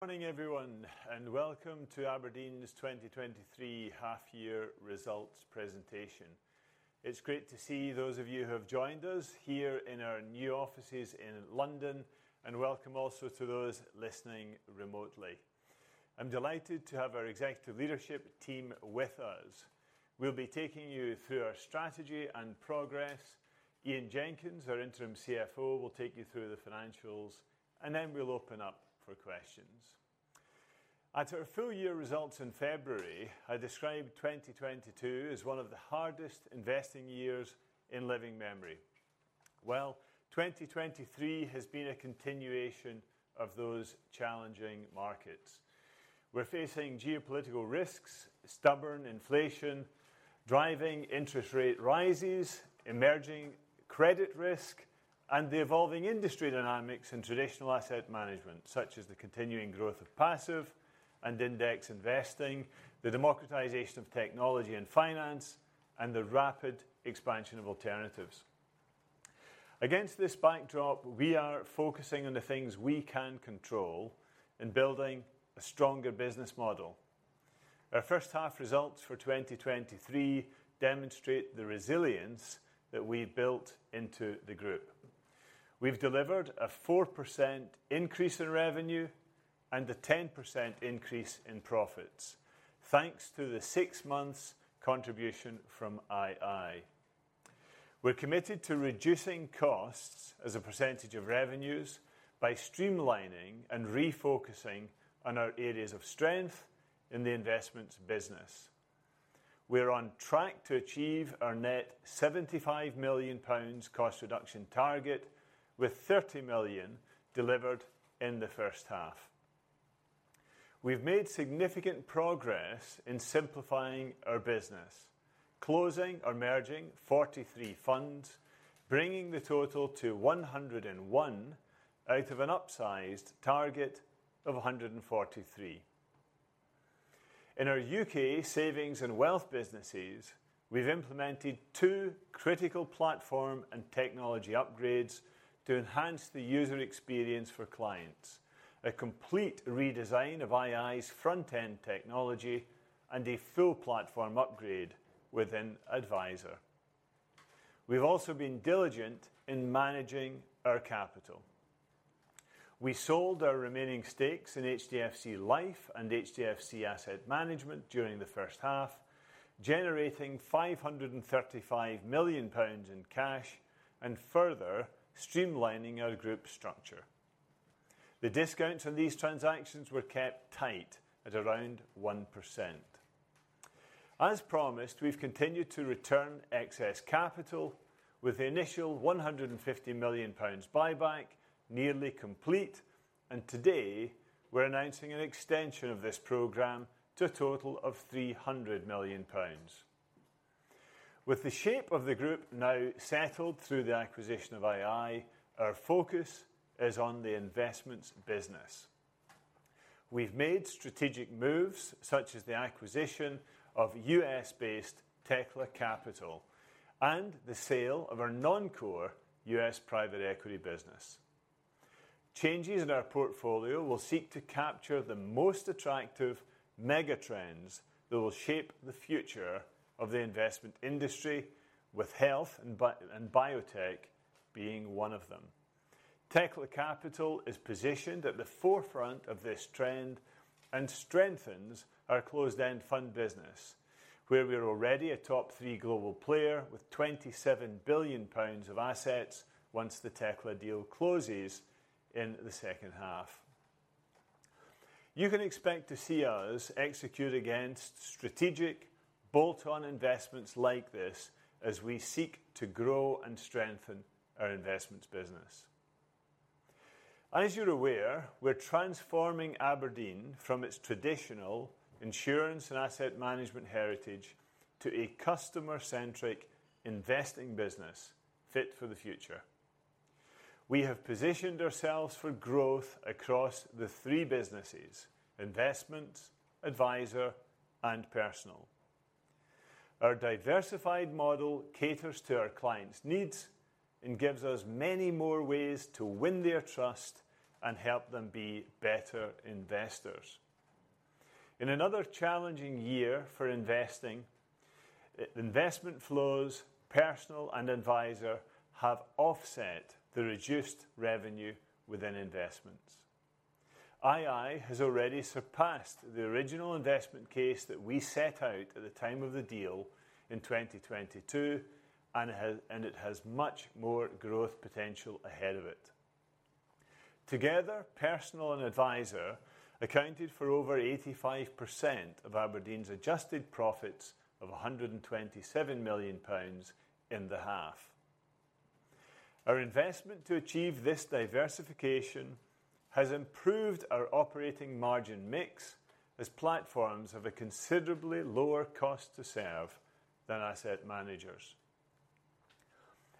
Morning, everyone, and welcome to abrdn's 2023 half-year results presentation. It's great to see those of you who have joined us here in our new offices in London, and welcome also to those listening remotely. I'm delighted to have our executive leadership team with us. We'll be taking you through our strategy and progress. Ian Jenkins, our interim CFO, will take you through the financials, and then we'll open up for questions. At our full-year results in February, I described 2022 as one of the hardest investing years in living memory. Well, 2023 has been a continuation of those challenging markets. We're facing geopolitical risks, stubborn inflation, driving interest rate rises, emerging credit risk, and the evolving industry dynamics in traditional asset management, such as the continuing growth of passive and index investing, the democratization of technology and finance, and the rapid expansion of alternatives. Against this backdrop, we are focusing on the things we can control in building a stronger business model. Our first half results for 2023 demonstrate the resilience that we built into the group. We've delivered a 4% increase in revenue and a 10% increase in profits, thanks to the six months contribution from ii. We're committed to reducing costs as a percentage of revenues by streamlining and refocusing on our areas of strength in the investments business. We're on track to achieve our net GBP 75 million cost reduction target, with GBP 30 million delivered in the first half. We've made significant progress in simplifying our business, closing or merging 43 funds, bringing the total to 101 out of an upsized target of 143. In our U.K. savings and wealth businesses, we've implemented two critical platform and technology upgrades to enhance the user experience for clients: a complete redesign of ii's front-end technology and a full platform upgrade within Adviser. We've also been diligent in managing our capital. We sold our remaining stakes in HDFC Life and HDFC Asset Management during the first half, generating 535 million pounds in cash and further streamlining our group structure. The discounts on these transactions were kept tight at around 1%. As promised, we've continued to return excess capital with the initial 150 million pounds buyback nearly complete. Today, we're announcing an extension of this program to a total of 300 million pounds. With the shape of the group now settled through the acquisition of ii, our focus is on the investments business. We've made strategic moves, such as the acquisition of U.S.-based Tekla Capital and the sale of our non-core U.S. private equity business. Changes in our portfolio will seek to capture the most attractive mega trends that will shape the future of the investment industry, with health and biotech being one of them. Tekla Capital is positioned at the forefront of this trend and strengthens our closed-end fund business, where we are already a top three global player with 27 billion pounds of assets, once the Tekla deal closes in the second half. You can expect to see us execute against strategic bolt-on investments like this as we seek to grow and strengthen our investments business. As you're aware, we're transforming abrdn from its traditional insurance and asset management heritage to a customer-centric investing business fit for the future. We have positioned ourselves for growth across the three businesses: investments, Adviser, and Personal. Our diversified model caters to our clients' needs and gives us many more ways to win their trust and help them be better investors. In another challenging year for investing, investment flows, Personal and Adviser have offset the reduced revenue within investments. ii has already surpassed the original investment case that we set out at the time of the deal in 2022, and it has much more growth potential ahead of it. Together, Personal and Adviser accounted for over 85% of abrdn's adjusted profits of 127 million pounds in the half. Our investment to achieve this diversification has improved our operating margin mix as platforms have a considerably lower cost to serve than asset managers.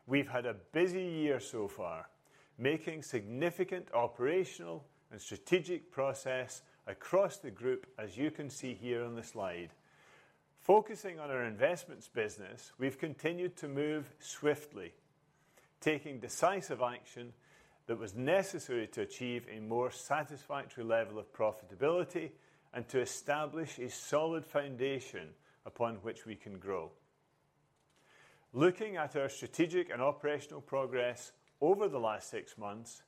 We've had a busy year so far, making significant operational and strategic progress across the group, as you can see here on the slide. Focusing on our investments business, we've continued to move swiftly, taking decisive action that was necessary to achieve a more satisfactory level of profitability and to establish a solid foundation upon which we can grow. Looking at our strategic and operational progress over the last six months,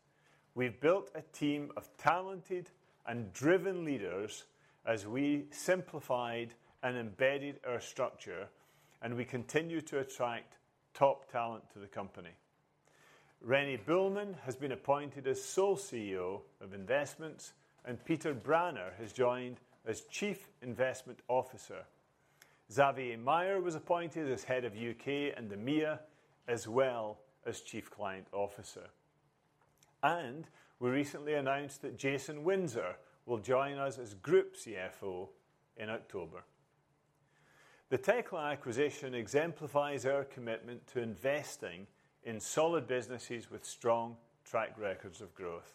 we've built a team of talented and driven leaders as we simplified and embedded our structure, and we continue to attract top talent to the company. René Bühlmann has been appointed as sole CEO of Investments, and Peter Branner has joined as Chief Investment Officer. Xavier Meyer was appointed as Head of U.K. and the EMEA, as well as Chief Client Officer. We recently announced that Jason Windsor will join us as Group CFO in October. The Tekla acquisition exemplifies our commitment to investing in solid businesses with strong track records of growth.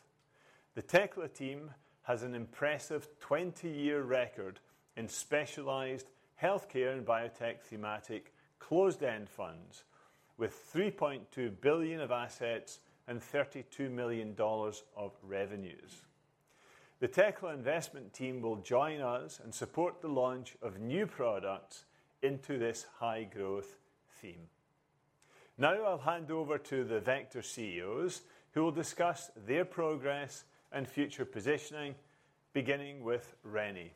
The Tekla team has an impressive 20-year record in specialized healthcare and biotech thematic closed-end funds, with $3.2 billion of assets and $32 million of revenues. The Tekla investment team will join us and support the launch of new products into this high-growth theme. Now I'll hand over to the Vector CEOs, who will discuss their progress and future positioning, beginning with René.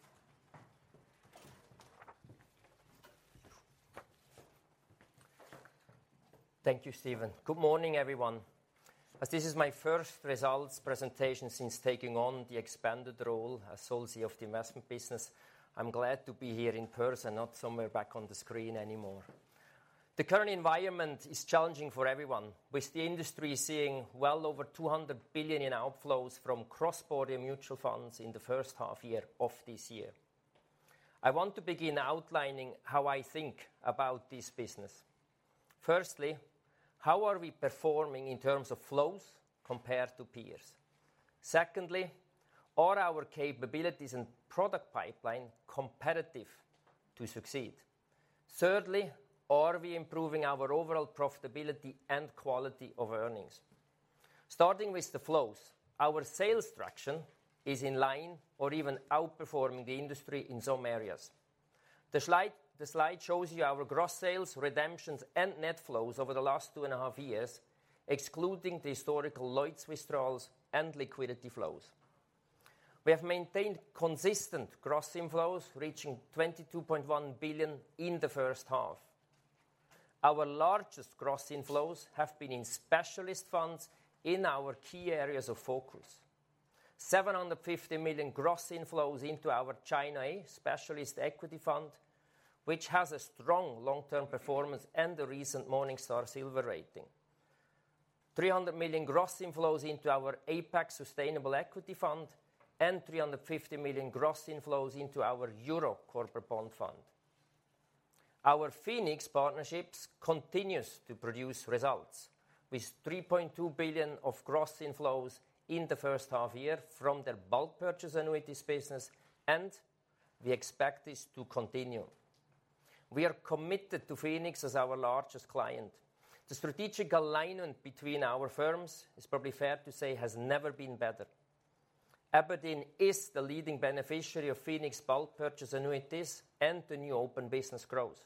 Thank you, Stephen. Good morning, everyone. As this is my first results presentation since taking on the expanded role as sole CEO of the investment business, I'm glad to be here in person, not somewhere back on the screen anymore. The current environment is challenging for everyone, with the industry seeing well over 200 billion in outflows from cross-border mutual funds in the first half year of this year. I want to begin outlining how I think about this business. Firstly, how are we performing in terms of flows compared to peers? Secondly, are our capabilities and product pipeline competitive to succeed? Thirdly, are we improving our overall profitability and quality of earnings? Starting with the flows, our sales traction is in line or even outperforming the industry in some areas. The slide shows you our gross sales, redemptions, and net flows over the last two and a half years, excluding the historical Lloyds withdrawals and liquidity flows. We have maintained consistent gross inflows, reaching 22.1 billion in the first half. Our largest gross inflows have been in specialist funds in our key areas of focus. 750 million gross inflows into our China A specialist equity fund, which has a strong long-term performance and a recent Morningstar Silver rating. 300 million gross inflows into our APAC Sustainable Equity Fund and 350 million gross inflows into our Euro Corporate Bond Fund. Our Phoenix partnerships continues to produce results, with 3.2 billion of gross inflows in the first half year from their bulk purchase annuities business, and we expect this to continue. We are committed to Phoenix as our largest client. The strategic alignment between our firms, it's probably fair to say, has never been better. abrdn is the leading beneficiary of Phoenix bulk purchase annuities and the new open business growth,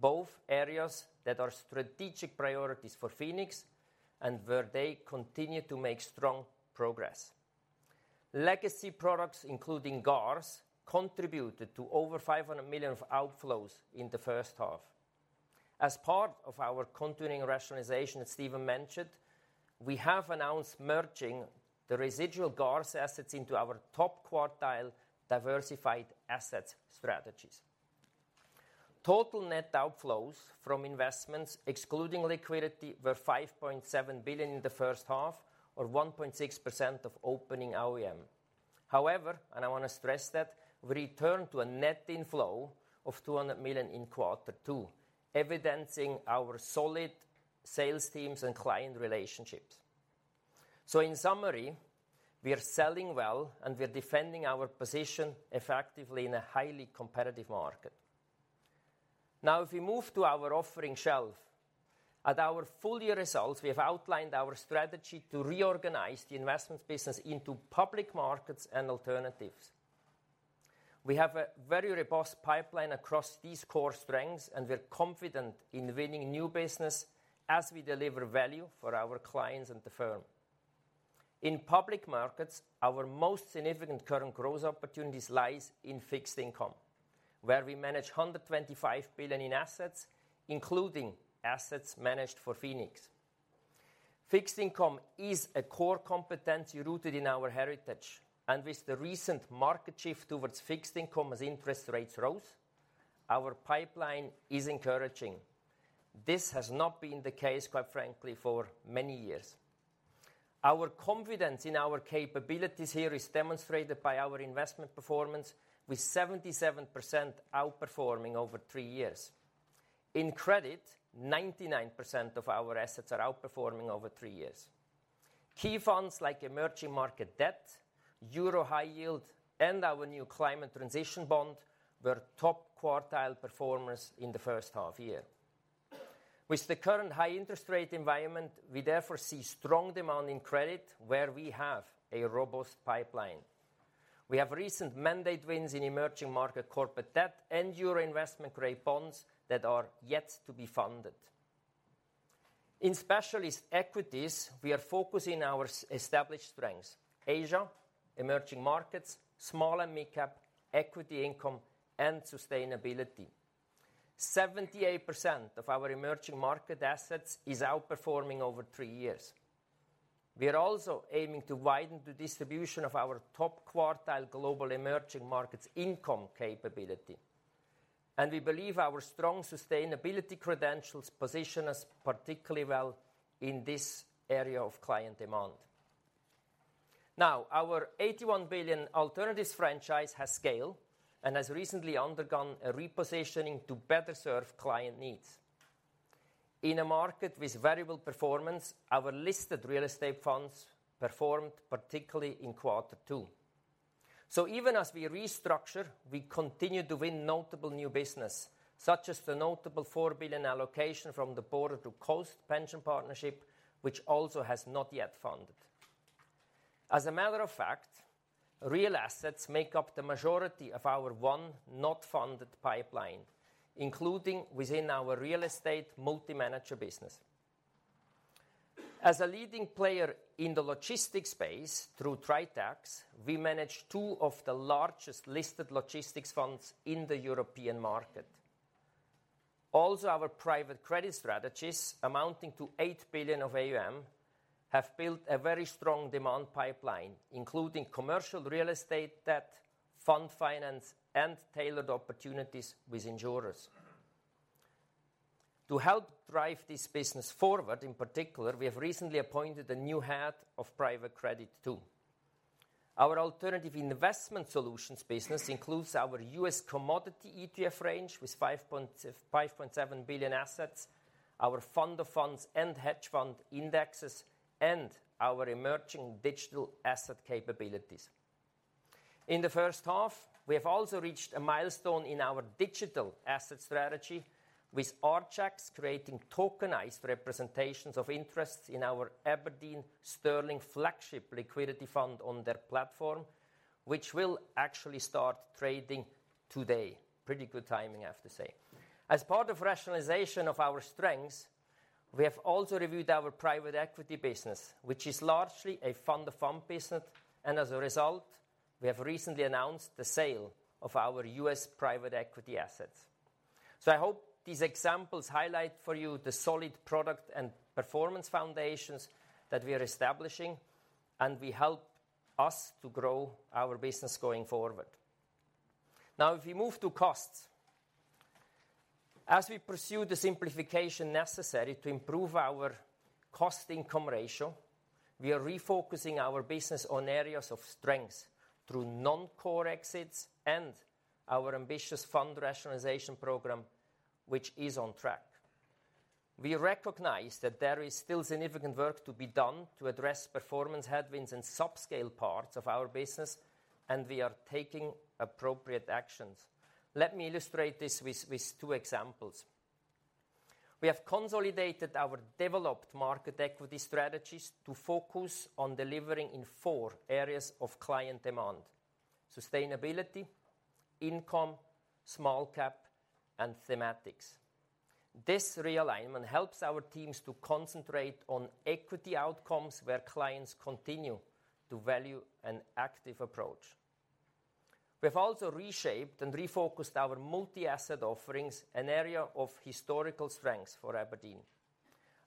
both areas that are strategic priorities for Phoenix and where they continue to make strong progress. Legacy products, including GARS, contributed to over 500 million of outflows in the first half. As part of our continuing rationalization that Stephen mentioned, we have announced merging the residual GARS assets into our top-quartile diversified asset strategies. Total net outflows from Investments, excluding liquidity, were 5.7 billion in the first half or 1.6% of opening AUM. However, and I want to stress that, we returned to a net inflow of 200 million in quarter two, evidencing our solid sales teams and client relationships. In summary, we are selling well, and we are defending our position effectively in a highly competitive market. If we move to our offering shelf, at our full-year results, we have outlined our strategy to reorganize the investment business into public markets and alternatives. We have a very robust pipeline across these core strengths, and we are confident in winning new business as we deliver value for our clients and the firm. In public markets, our most significant current growth opportunities lies in fixed income, where we manage 125 billion in assets, including assets managed for Phoenix. Fixed income is a core competency rooted in our heritage, and with the recent market shift towards fixed income as interest rates rose, our pipeline is encouraging. This has not been the case, quite frankly, for many years. Our confidence in our capabilities here is demonstrated by our investment performance, with 77% outperforming over three years. In credit, 99% of our assets are outperforming over three years.... key funds like Emerging Market Debt, Euro High Yield, and our new Climate Transition Bond were top-quartile performers in the first half year. With the current high interest rate environment, we therefore see strong demand in credit, where we have a robust pipeline. We have recent mandate wins in Emerging Market Corporate Debt and Euro Investment-Grade Bonds that are yet to be funded. In specialist equities, we are focusing our established strengths: Asia, emerging markets, small and mid-cap, equity income, and sustainability. 78% of our emerging market assets is outperforming over three years. We are also aiming to widen the distribution of our top-quartile global emerging markets income capability, and we believe our strong sustainability credentials position us particularly well in this area of client demand. Now, our 81 billion alternatives franchise has scale and has recently undergone a repositioning to better serve client needs. In a market with variable performance, our listed real estate funds performed particularly in quarter two. Even as we restructure, we continue to win notable new business, such as the notable 4 billion allocation from the Border to Coast Pension Partnership, which also has not yet funded. As a matter of fact, real assets make up the majority of our won-not funded pipeline, including within our real estate multi-manager business. As a leading player in the logistics space through Tritax, we manage two of the largest listed logistics funds in the European market. Also, our private credit strategies, amounting to 8 billion of AUM, have built a very strong demand pipeline, including commercial real estate debt, fund finance, and tailored opportunities with insurers. To help drive this business forward, in particular, we have recently appointed a new head of private credit, too. Our alternative investment solutions business includes our U.S. commodity ETF range with 5.7 billion assets, our fund of funds and hedge fund indexes, and our emerging digital asset capabilities. In the first half, we have also reached a milestone in our digital asset strategy, with Archax creating tokenized representations of interest in our abrdn Sterling Flagship Liquidity Fund on their platform, which will actually start trading today. Pretty good timing, I have to say. As part of rationalization of our strengths, we have also reviewed our private equity business, which is largely a fund of fund business, and as a result, we have recently announced the sale of our U.S. private equity assets. I hope these examples highlight for you the solid product and performance foundations that we are establishing, and will help us to grow our business going forward. Now, if we move to costs, as we pursue the simplification necessary to improve our cost-income ratio, we are refocusing our business on areas of strength through non-core exits and our ambitious fund rationalization program, which is on track. We recognize that there is still significant work to be done to address performance headwinds and subscale parts of our business, and we are taking appropriate actions. Let me illustrate this with two examples. We have consolidated our developed market equity strategies to focus on delivering in four areas of client demand: sustainability, income, small cap, and thematics. This realignment helps our teams to concentrate on equity outcomes where clients continue to value an active approach. We've also reshaped and refocused our multi-asset offerings, an area of historical strength for abrdn.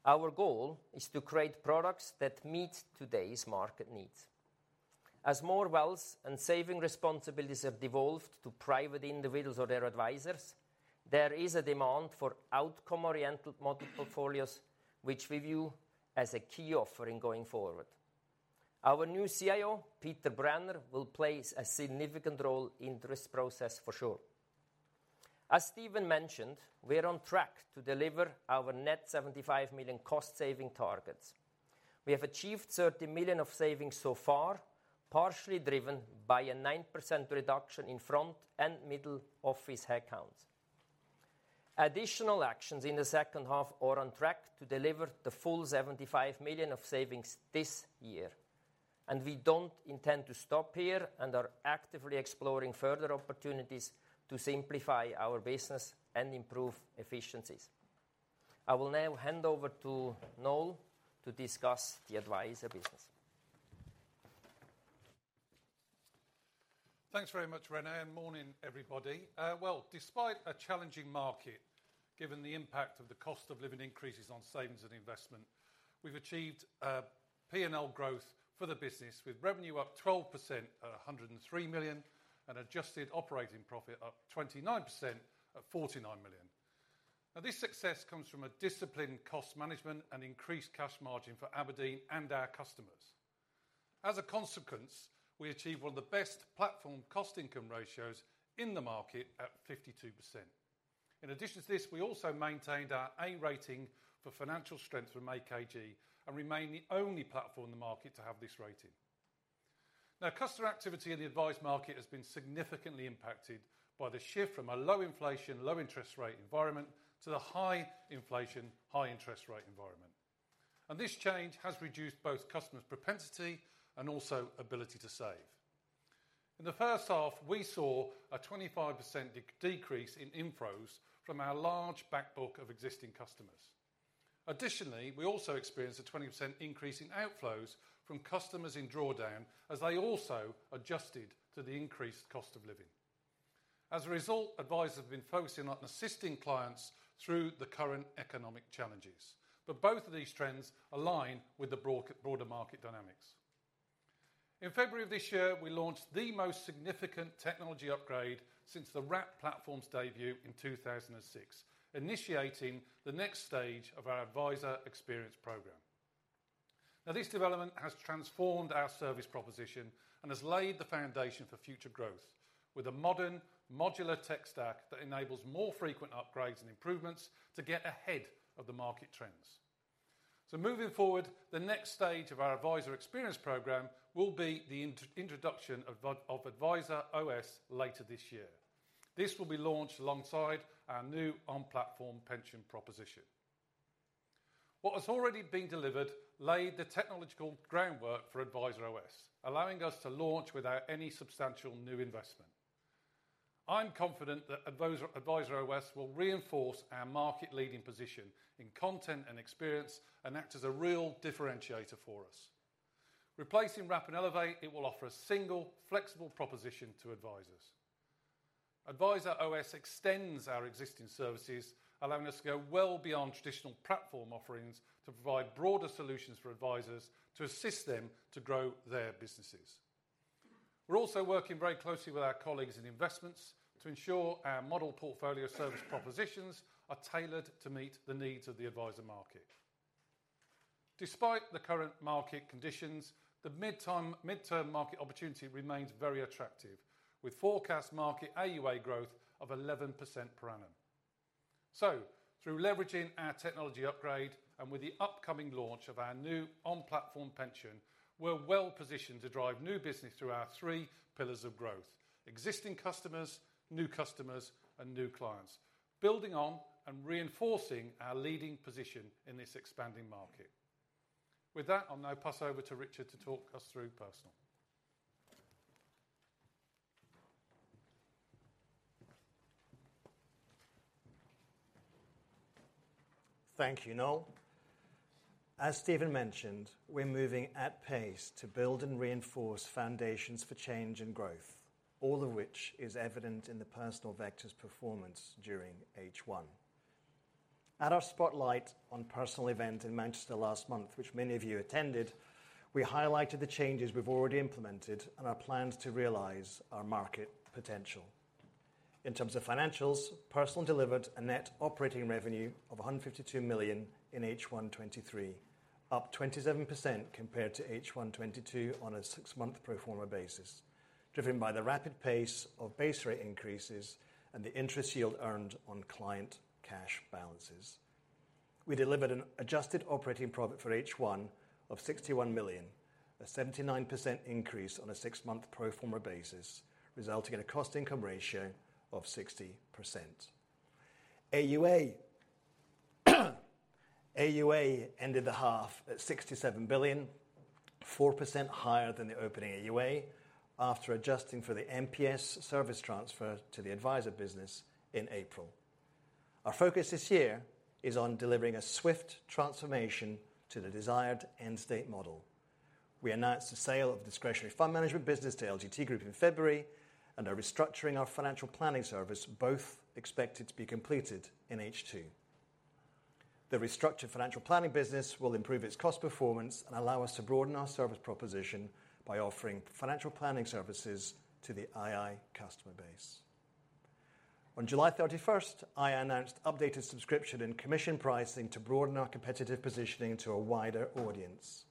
Our goal is to create products that meet today's market needs. As more wealth and saving responsibilities have devolved to private individuals or their Advisers, there is a demand for outcome-oriented model portfolios, which we view as a key offering going forward. Our new CIO, Peter Branner, will play a significant role in this process for sure. As Stephen mentioned, we are on track to deliver our net 75 million cost-saving targets. We have achieved 30 million of savings so far, partially driven by a 9% reduction in front and middle office headcount. Additional actions in the second half are on track to deliver the full 75 million of savings this year, and we don't intend to stop here and are actively exploring further opportunities to simplify our business and improve efficiencies. I will now hand over to Noel to discuss the Adviser business. Thanks very much, René, and morning, everybody. Well, despite a challenging market, given the impact of the cost of living increases on savings and investment, we've achieved a P&L growth for the business, with revenue up 12% at $103 million and adjusted operating profit up 29% at $49 million. This success comes from a disciplined cost management and increased cash margin for abrdn and our customers....As a consequence, we achieved one of the best platform cost-income ratios in the market at 52%. In addition to this, we also maintained our A rating for financial strength from AKG and remain the only platform in the market to have this rating. Customer activity in the advised market has been significantly impacted by the shift from a low inflation, low interest rate environment to the high inflation, high interest rate environment. This change has reduced both customers' propensity and also ability to save. In the first half, we saw a 25% decrease in inflows from our large back book of existing customers. Additionally, we also experienced a 20% increase in outflows from customers in drawdown, as they also adjusted to the increased cost of living. As a result, Advisers have been focusing on assisting clients through the current economic challenges, but both of these trends align with the broader market dynamics. In February of this year, we launched the most significant technology upgrade since the Wrap platform's debut in 2006, initiating the next stage of our Adviser experience program. Now, this development has transformed our service proposition and has laid the foundation for future growth with a modern modular tech stack that enables more frequent upgrades and improvements to get ahead of the market trends. Moving forward, the next stage of our Adviser experience program will be the introduction of Adviser OS later this year. This will be launched alongside our new on-platform pension proposition. What has already been delivered laid the technological groundwork for Adviser OS, allowing us to launch without any substantial new investment. I'm confident that Adviser OS will reinforce our market-leading position in content and experience and act as a real differentiator for us. Replacing Wrap and Elevate, it will offer a single flexible proposition to Advisers. Adviser OS extends our existing services, allowing us to go well beyond traditional platform offerings to provide broader solutions for Advisers to assist them to grow their businesses. We're also working very closely with our colleagues in Investments to ensure our model portfolio service propositions are tailored to meet the needs of the Adviser market. Despite the current market conditions, the mid-term market opportunity remains very attractive, with forecast market AUA growth of 11% per annum. Through leveraging our technology upgrade and with the upcoming launch of our new on-platform pension, we're well positioned to drive new business through our three pillars of growth: existing customers, new customers, and new clients, building on and reinforcing our leading position in this expanding market. With that, I'll now pass over to Richard to talk us through Personal. Thank you, Noel. As Stephen mentioned, we're moving at pace to build and reinforce foundations for change and growth, all of which is evident in the Personal Vector's performance during H1. At our spotlight on Personal event in Manchester last month, which many of you attended, we highlighted the changes we've already implemented and our plans to realize our market potential. In terms of financials, Personal delivered a net operating revenue of 152 million in H1 2023, up 27% compared to H1 2022 on a six-month pro forma basis, driven by the rapid pace of base rate increases and the interest yield earned on client cash balances. We delivered an adjusted operating profit for H1 of 61 million, a 79% increase on a six-month pro forma basis, resulting in a cost-income ratio of 60%. AUA, AUA ended the half at 67 billion, 4% higher than the opening AUA, after adjusting for the MPS service transfer to the Adviser business in April. Our focus this year is on delivering a swift transformation to the desired end-state model. We announced the sale of the discretionary fund management business to LGT Group in February and are restructuring our financial planning service, both expected to be completed in H2. The restructured financial planning business will improve its cost performance and allow us to broaden our service proposition by offering financial planning services to the ii customer base. On July 31st, ii announced updated subscription and commission pricing to broaden our competitive positioning to a wider audience.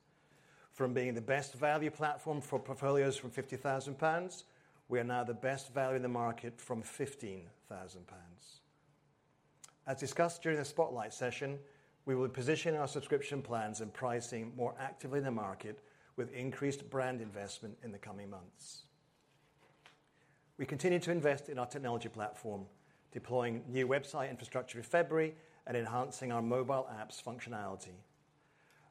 From being the best value platform for portfolios from 50,000 pounds, we are now the best value in the market from 15,000 pounds. As discussed during the spotlight session, we will position our subscription plans and pricing more actively in the market, with increased brand investment in the coming months. We continue to invest in our technology platform, deploying new website infrastructure in February and enhancing our mobile app's functionality.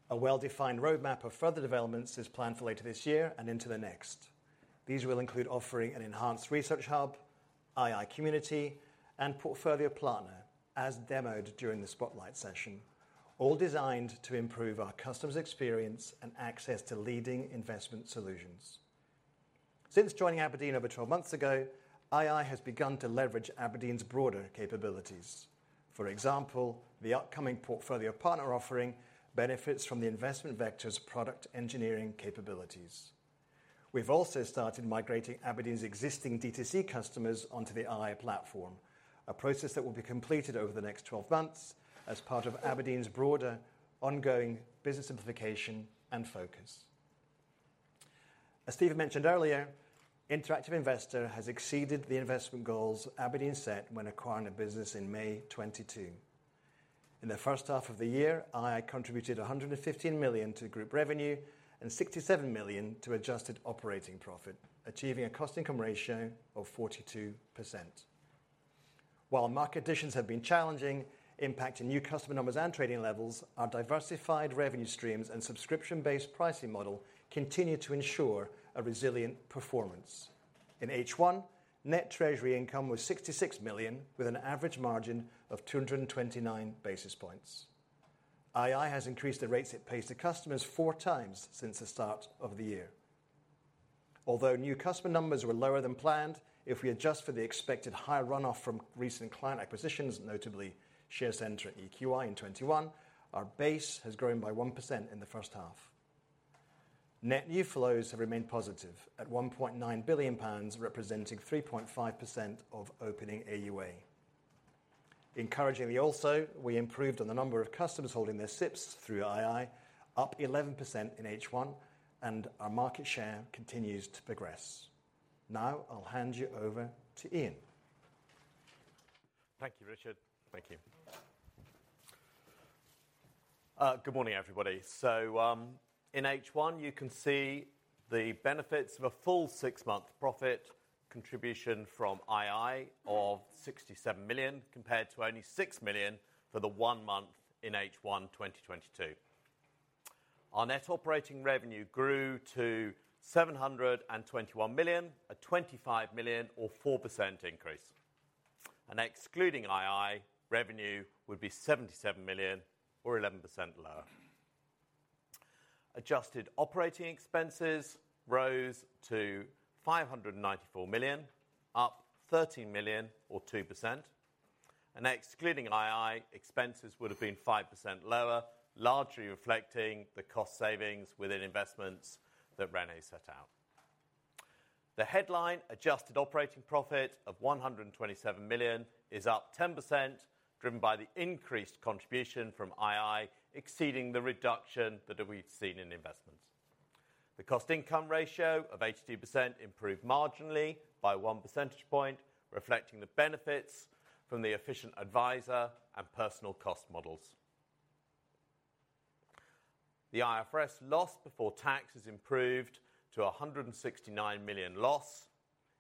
A well-defined roadmap of further developments is planned for later this year and into the next. These will include offering an enhanced research hub, ii community, and portfolio planner, as demoed during the spotlight session, all designed to improve our customers' experience and access to leading investment solutions. Since joining abrdn over 12 months ago, ii has begun to leverage abrdn's broader capabilities. For example, the upcoming portfolio partner offering benefits from the investment vector's product engineering capabilities. We've also started migrating abrdn's existing DTC customers onto the ii platform, a process that will be completed over the next 12 months as part of abrdn's broader ongoing business simplification and focus. As Stephen mentioned earlier, Interactive Investor has exceeded the investment goals abrdn set when acquiring the business in May 2022. In the first half of the year, ii contributed 115 million to group revenue and 67 million to adjusted operating profit, achieving a cost-income ratio of 42%. While market conditions have been challenging, impacting new customer numbers and trading levels, our diversified revenue streams and subscription-based pricing model continue to ensure a resilient performance. In H1, net treasury income was 66 million, with an average margin of 229 basis points. ii has increased the rates it pays to customers four times since the start of the year. Although new customer numbers were lower than planned, if we adjust for the expected higher runoff from recent client acquisitions, notably The Share Centre and EQI in 2021, our base has grown by 1% in the first half. Net new flows have remained positive at 1.9 billion pounds, representing 3.5% of opening AUA. Encouragingly, also, we improved on the number of customers holding their SIPP through ii, up 11% in H1, and our market share continues to progress. Now I'll hand you over to Ian. Thank you, Richard. Thank you. Good morning, everybody. In H1, you can see the benefits of a full six-month profit contribution from ii of 67 million, compared to only 6 million for the one month in H1 2022. Our net operating revenue grew to 721 million, a 25 million or 4% increase. Excluding ii, revenue would be 77 million or 11% lower. Adjusted operating expenses rose to 594 million, up 13 million or 2%, and excluding ii, expenses would have been 5% lower, largely reflecting the cost savings within Investments that René set out. The headline adjusted operating profit of 127 million is up 10%, driven by the increased contribution from ii, exceeding the reduction that we've seen in Investments. The cost-income ratio of 82% improved marginally by 1 percentage point, reflecting the benefits from the efficient Adviser and Personal cost models. The IFRS loss before tax has improved to a 169 million loss,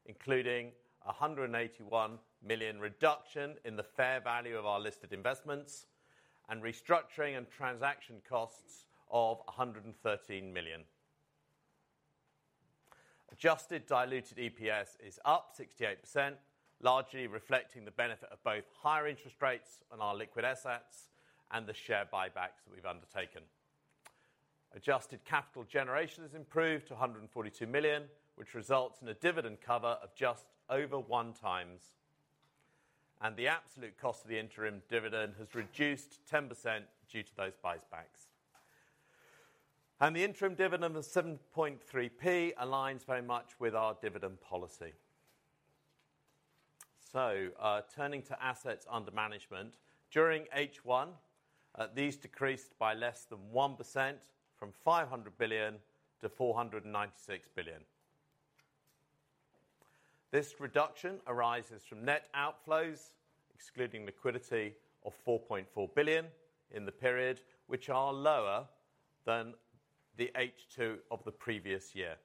including a 181 million reduction in the fair value of our listed Investments and restructuring and transaction costs of a 113 million. Adjusted diluted EPS is up 68%, largely reflecting the benefit of both higher interest rates on our liquid assets and the share buybacks that we've undertaken. Adjusted capital generation has improved to a 142 million, which results in a dividend cover of just over 1 times, and the absolute cost of the interim dividend has reduced 10% due to those buybacks. The interim dividend of 7.3p aligns very much with our dividend policy. Turning to assets under management. During H1, these decreased by less than 1% from 500 billion to 496 billion. This reduction arises from net outflows, excluding liquidity, of 4.4 billion in the period, which are lower than the H2 of the previous year.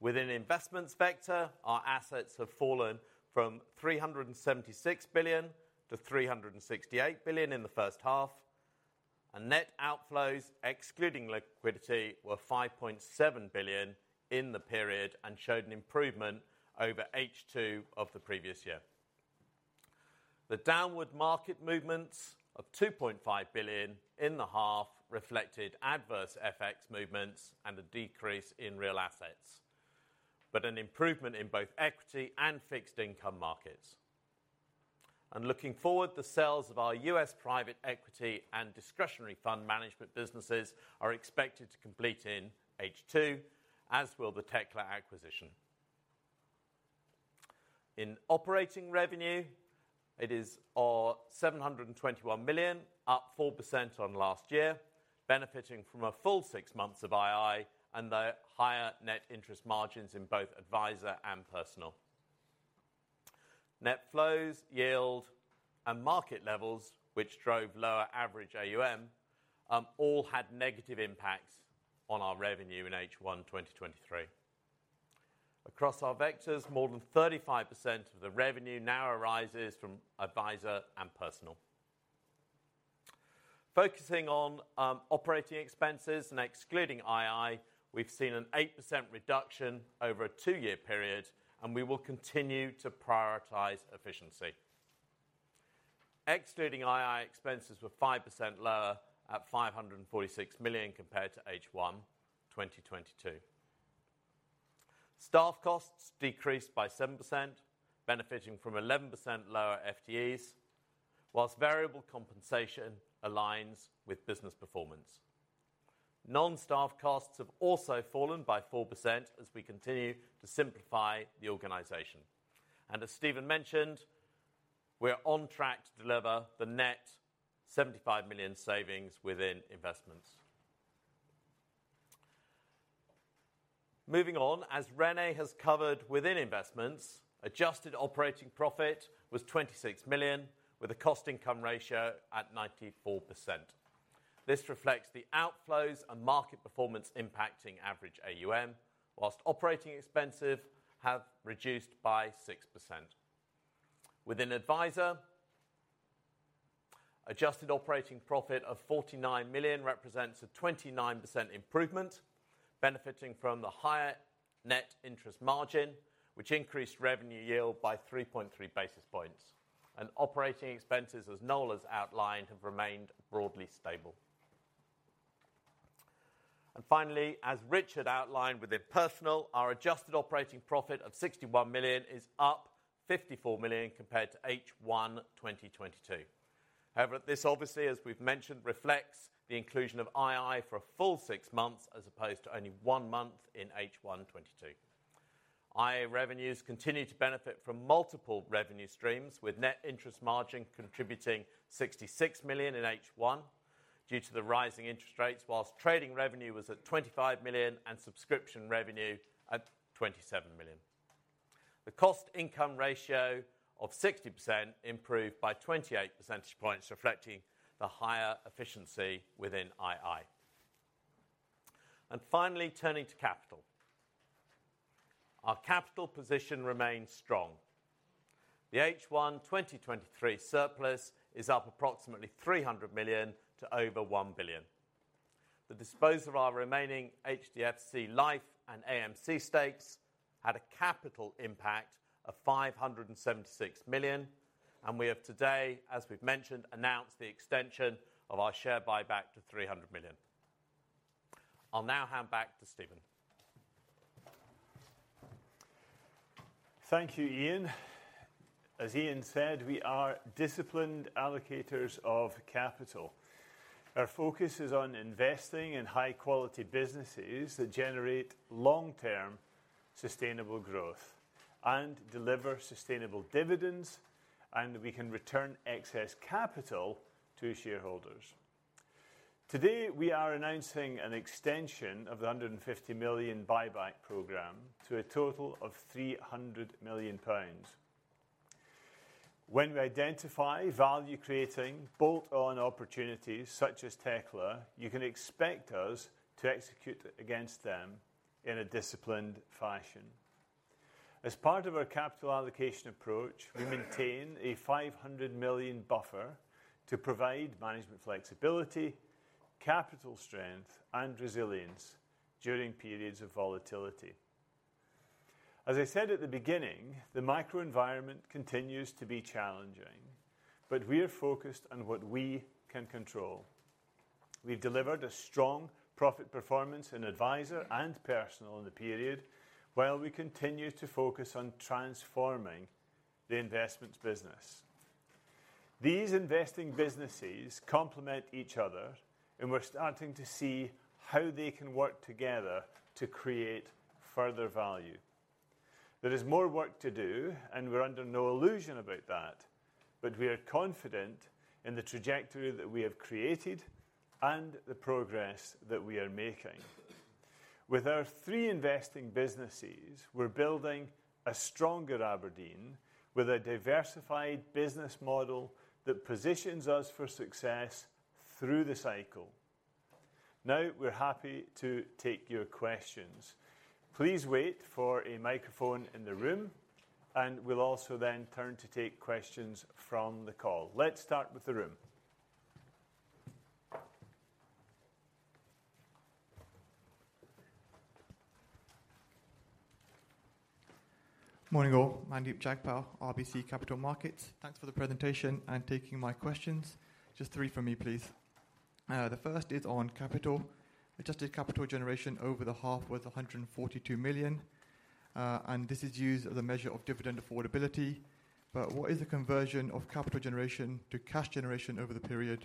Within the Investments vector, our assets have fallen from 376 billion to 368 billion in the first half, and net outflows, excluding liquidity, were 5.7 billion in the period and showed an improvement over H2 of the previous year. The downward market movements of 2.5 billion in the half reflected adverse FX movements and a decrease in real assets, but an improvement in both equity and fixed income markets. Looking forward, the sales of our U.S. private equity and discretionary fund management businesses are expected to complete in H2, as will the Tekla acquisition. In operating revenue, it is 721 million, up 4% on last year, benefiting from a full six months of ii and the higher net interest margins in both Adviser and Personal. Net flows, yield, and market levels, which drove lower average AUM, all had negative impacts on our revenue in H1 2023. Across our vectors, more than 35% of the revenue now arises from Adviser and Personal. Focusing on operating expenses and excluding ii, we've seen an 8% reduction over a two-year period, and we will continue to prioritize efficiency. Excluding ii, expenses were 5% lower at 546 million compared to H1 2022. Staff costs decreased by 7%, benefiting from 11% lower FTEs, while variable compensation aligns with business performance. Non-staff costs have also fallen by 4% as we continue to simplify the organization. As Stephen mentioned, we are on track to deliver the net 75 million savings within Investments. Moving on, as René has covered within Investments, adjusted operating profit was 26 million, with a cost income ratio at 94%. This reflects the outflows and market performance impacting average AUM, while operating expenses have reduced by 6%. Within Adviser, adjusted operating profit of 49 million represents a 29% improvement, benefiting from the higher net interest margin, which increased revenue yield by 3.3 basis points. Operating expenses, as Noel's outlined, have remained broadly stable. Finally, as Richard outlined with the Personal, our adjusted operating profit of 61 million is up 54 million compared to H1 2022. However, this obviously, as we've mentioned, reflects the inclusion of ii for a full six months as opposed to only one month in H1 2022. ii revenues continue to benefit from multiple revenue streams, with net interest margin contributing 66 million in H1 due to the rising interest rates, whilst trading revenue was at 25 million and subscription revenue at 27 million. The cost income ratio of 60% improved by 28 percentage points, reflecting the higher efficiency within ii. Finally, turning to capital. Our capital position remains strong. The H1 2023 surplus is up approximately 300 million to over 1 billion. The disposal of our remaining HDFC Life and AMC stakes had a capital impact of 576 million, and we have today, as we've mentioned, announced the extension of our share buyback to 300 million. I'll now hand back to Stephen. Thank you, Ian. As Ian said, we are disciplined allocators of capital. Our focus is on investing in high-quality businesses that generate long-term sustainable growth and deliver sustainable dividends, and we can return excess capital to shareholders. Today, we are announcing an extension of the 150 million buyback program to a total of 300 million pounds. When we identify value creating bolt-on opportunities such as Tekla, you can expect us to execute against them in a disciplined fashion. As part of our capital allocation approach, we maintain a 500 million buffer to provide management flexibility, capital strength, and resilience during periods of volatility. As I said at the beginning, the microenvironment continues to be challenging, but we are focused on what we can control. We've delivered a strong profit performance in Adviser and Personal in the period, while we continue to focus on transforming the Investments business. These investing businesses complement each other, and we're starting to see how they can work together to create further value. There is more work to do, and we're under no illusion about that, but we are confident in the trajectory that we have created and the progress that we are making. With our three investing businesses, we're building a stronger abrdn with a diversified business model that positions us for success through the cycle. We're happy to take your questions. Please wait for a microphone in the room, and we'll also then turn to take questions from the call. Let's start with the room. Morning, all. Mandeep Jagpal, RBC Capital Markets. Thanks for the presentation and taking my questions. Just three for me, please. The first is on capital. Adjusted capital generation over the half was 142 million, and this is used as a measure of dividend affordability. What is the conversion of capital generation to cash generation over the period?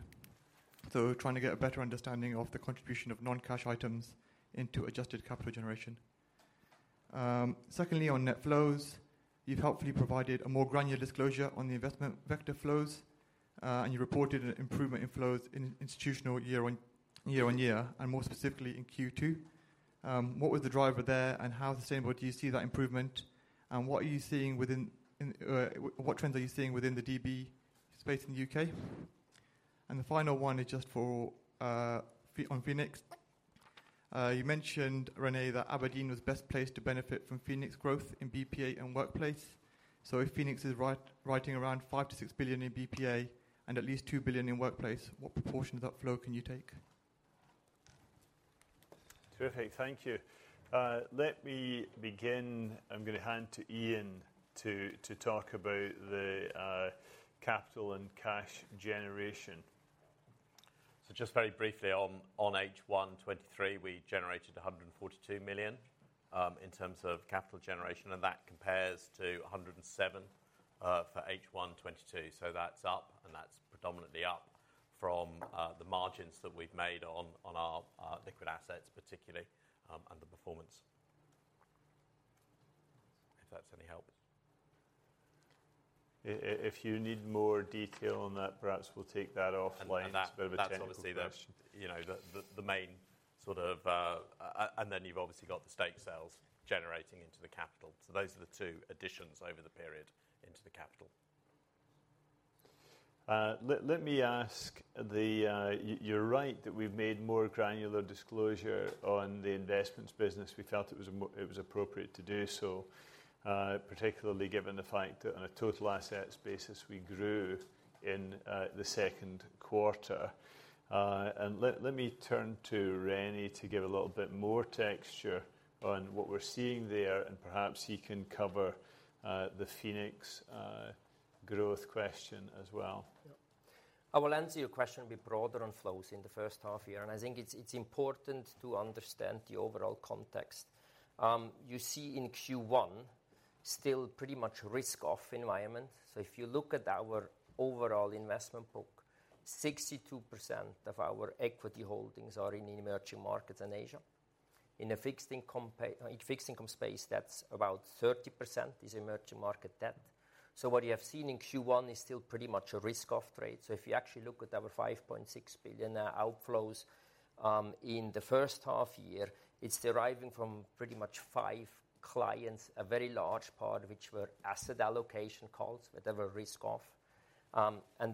Trying to get a better understanding of the contribution of non-cash items into adjusted capital generation. Secondly, on net flows, you've helpfully provided a more granular disclosure on the investment vector flows, and you reported an improvement in flows in institutional year-on-year, and more specifically in Q2. What was the driver there, and how sustainable do you see that improvement? What are you seeing within, in... What trends are you seeing within the DB space in the U.K.? The final one is just for on Phoenix. You mentioned, René, that abrdn was best placed to benefit from Phoenix growth in BPA and workplace. If Phoenix is riding around 5 billion-6 billion in BPA and at least 2 billion in workplace, what proportion of that flow can you take? Terrific. Thank you. Let me begin. I'm gonna hand to Ian to talk about the capital and cash generation. Just very briefly on, on H1 2023, we generated 142 million in terms of capital generation. That compares to 107 for H1 2022. That's up. That's predominantly up from the margins that we've made on, on our liquid assets, particularly under performance. If that's any help. If you need more detail on that, perhaps we'll take that offline. That, and that's obviously the, you know, the, the, the main sort of. Then you've obviously got the stake sales generating into the capital. Those are the two additions over the period into the capital. Let, let me ask the. You're right, that we've made more granular disclosure on the Investments business. We felt it was appropriate to do so, particularly given the fact that on a total assets basis, we grew in the second quarter. Let, let me turn to René to give a little bit more texture on what we're seeing there, and perhaps he can cover the Phoenix growth question as well. Yep. I will answer your question a bit broader on flows in the first half-year. I think it's, it's important to understand the overall context. You see in Q1, still pretty much risk-off environment. If you look at our overall investment book, 62% of our equity holdings are in emerging markets and Asia. In fixed income space, that's about 30% is emerging market debt. What you have seen in Q1 is still pretty much a risk-off trade. If you actually look at our 5.6 billion outflows, in the first half-year, it's deriving from pretty much five clients, a very large part of which were asset allocation calls, but they were risk-off.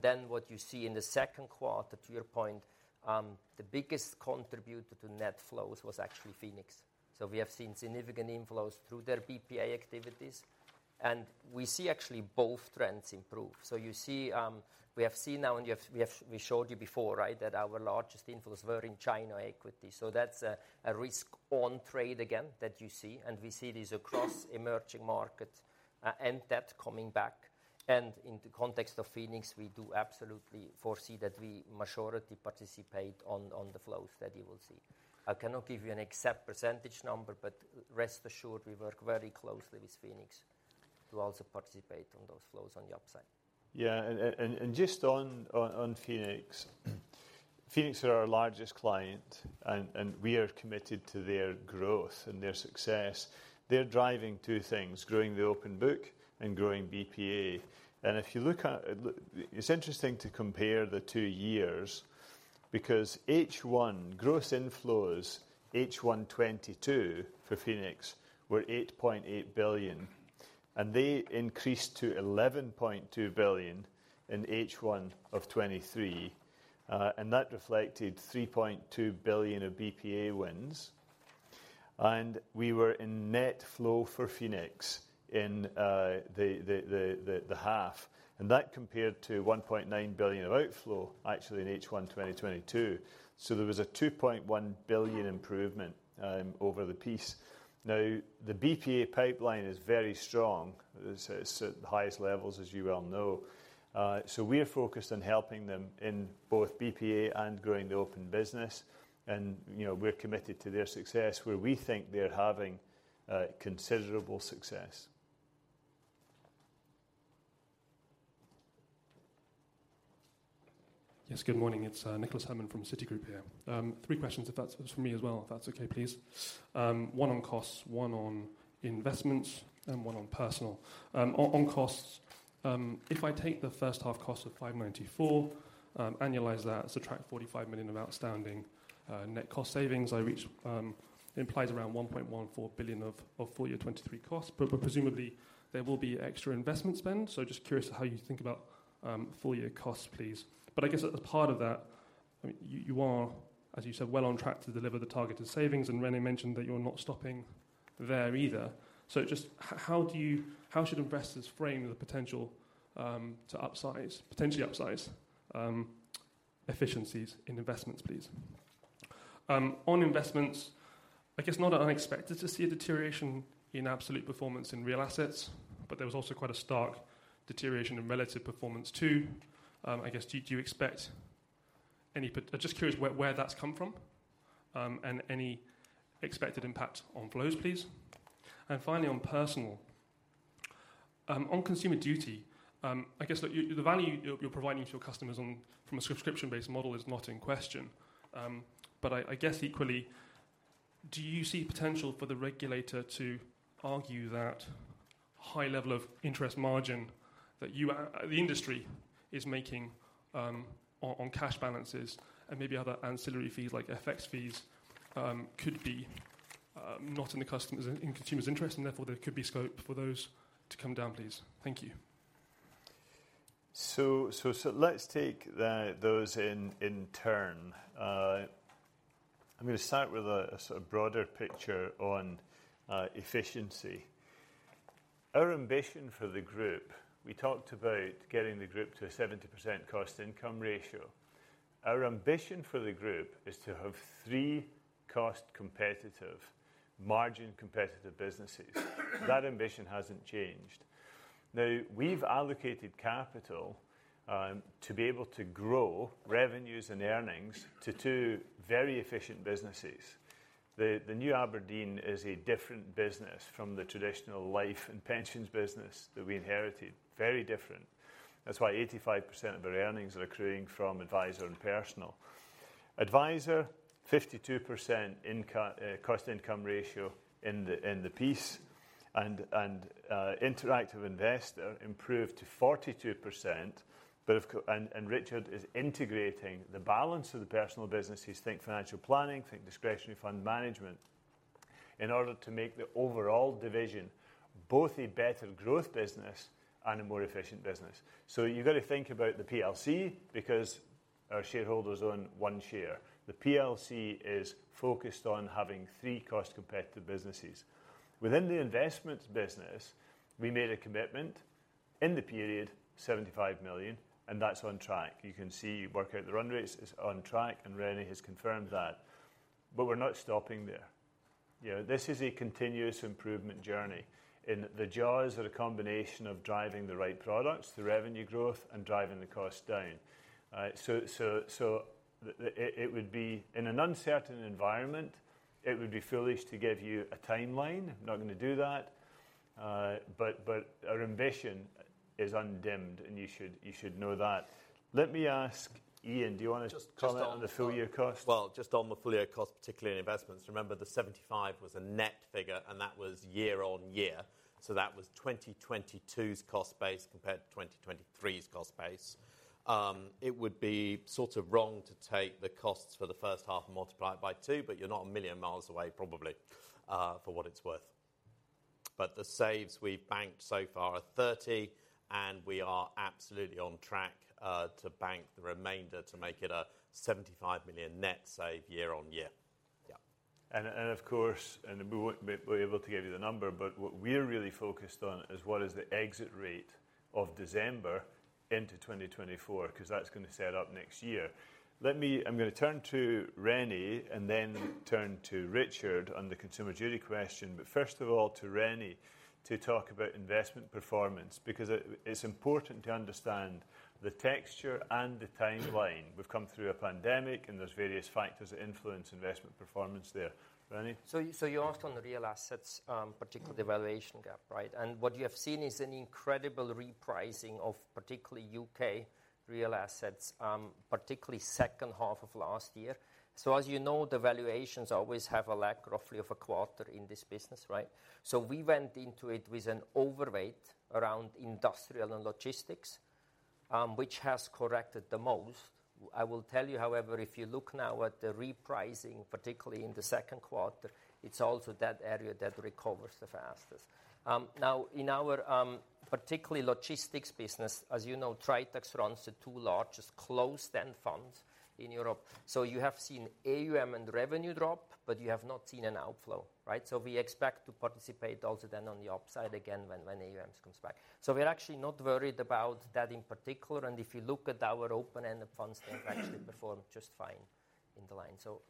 Then what you see in the second quarter, to your point, the biggest contributor to net flows was actually Phoenix. We have seen significant inflows through their BPA activities, and we see actually both trends improve. You see, we have seen now, we showed you before, right? That our largest inflows were in China equity. That's a, a risk-on trade again, that you see, and we see this across emerging markets, and that coming back. In the context of Phoenix, we do absolutely foresee that we majority participate on, on the flows that you will see. I cannot give you an exact percentage number, but rest assured, we work very closely with Phoenix to also participate on those flows on the upside. Yeah, just on Phoenix. Phoenix are our largest client, and we are committed to their growth and their success. They're driving two things: growing the open book and growing BPA. If you look at, it's interesting to compare the two years, because H1 gross inflows, H1 2022 for Phoenix were 8.8 billion, and they increased to 11.2 billion in H1 of 2023. That reflected 3.2 billion of BPA wins, and we were in net flow for Phoenix in the half, and that compared to 1.9 billion of outflow actually in H1 2022. There was a 2.1 billion improvement over the piece. The BPA pipeline is very strong. It's at the highest levels, as you well know. We are focused on helping them in both BPA and growing the open business, you know, we're committed to their success, where we think they're having considerable success. Yes, good morning. It's Nicholas Herman from Citigroup here. Three questions if that's for me as well, if that's okay, please. One on costs, one on Investments, and one on Personal. On, on costs, if I take the first half cost of 594 million, annualize that, subtract 45 million of outstanding net cost savings, I reach, it implies around 1.14 billion of full year 2023 costs. Presumably there will be extra investment spend, so just curious how you think about full year costs, please. I guess as a part of that, I mean, you, you are, as you said, well on track to deliver the targeted savings, and René mentioned that you're not stopping there either. Just how should investors frame the potential to upsize, potentially upsize, efficiencies in Investments, please? On Investments, I guess not unexpected to see a deterioration in absolute performance in real assets, but there was also quite a stark deterioration in relative performance too. I guess, Just curious where, where that's come from, and any expected impact on flows, please. Finally, on Personal, on Consumer Duty, I guess the value you're, you're providing to your customers on, from a subscription-based model is not in question. I guess equally, do you see potential for the regulator to argue that high level of interest margin that the industry is making on cash balances and maybe other ancillary fees, like FX fees, could be not in the customer's, in consumer's interest, and therefore, there could be scope for those to come down, please? Thank you. So, so, let's take those in turn. I'm going to start with a sort of broader picture on efficiency. Our ambition for the group, we talked about getting the group to a 70% cost-income ratio. Our ambition for the group is to have three cost-competitive, margin-competitive businesses. That ambition hasn't changed. We've allocated capital to be able to grow revenues and earnings to two very efficient businesses. The New abrdn is a different business from the traditional life and pensions business that we inherited. Very different. That's why 85% of our earnings are accruing from Adviser and Personal. Adviser, 52% income cost-to-income ratio in the piece, and interactive investor improved to 42%. Richard is integrating the balance of the Personal businesses, think financial planning, think discretionary fund management, in order to make the overall division both a better growth business and a more efficient business. You've got to think about the PLC because our shareholders own one share. The PLC is focused on having three cost-competitive businesses. Within the Investments business, we made a commitment in the period, 75 million, and that's on track. You can see, you work out the run rates, it's on track, and René has confirmed that. We're not stopping there. You know, this is a continuous improvement journey, and the jaws are a combination of driving the right products, the revenue growth, and driving the cost down. In an uncertain environment, it would be foolish to give you a timeline. I'm not going to do that, but, but our ambition is undimmed, and you should, you should know that. Let me ask Ian, do you want to just comment- Just on the full-year cost? Well, just on the full-year cost, particularly in Investments, remember, the 75 was a net figure, and that was year-over-year. That was 2022's cost base compared to 2023's cost base. It would be sort of wrong to take the costs for the first half and multiply it by two, but you're not a million miles away, probably, for what it's worth. The saves we've banked so far are 30, and we are absolutely on track to bank the remainder to make it a 75 million net save year-over-year. Yeah. Of course, we won't be able to give you the number, but what we're really focused on is what is the exit rate of December into 2024, 'cause that's gonna set up next year. I'm gonna turn to René and then turn to Richard on the Consumer Duty question. First of all, to René, to talk about investment performance, because it, it's important to understand the texture and the timeline. We've come through a pandemic, and there's various factors that influence investment performance there. René? You, so you asked on the real assets, particularly the valuation gap, right? What you have seen is an incredible repricing of particularly U.K. real assets, particularly second half of 2022. As you know, the valuations always have a lag roughly of a quarter in this business, right? We went into it with an overweight around industrial and logistics, which has corrected the most. I will tell you, however, if you look now at the repricing, particularly in the second quarter, it's also that area that recovers the fastest. Now, in our particularly logistics business, as you know, Tritax runs the two largest closed-end funds in Europe. You have seen AUM and revenue drop, but you have not seen an outflow, right? We expect to participate also then on the upside again when, when AUM comes back. We're actually not worried about that in particular, and if you look at our open-ended funds, they've actually performed just fine in the line. So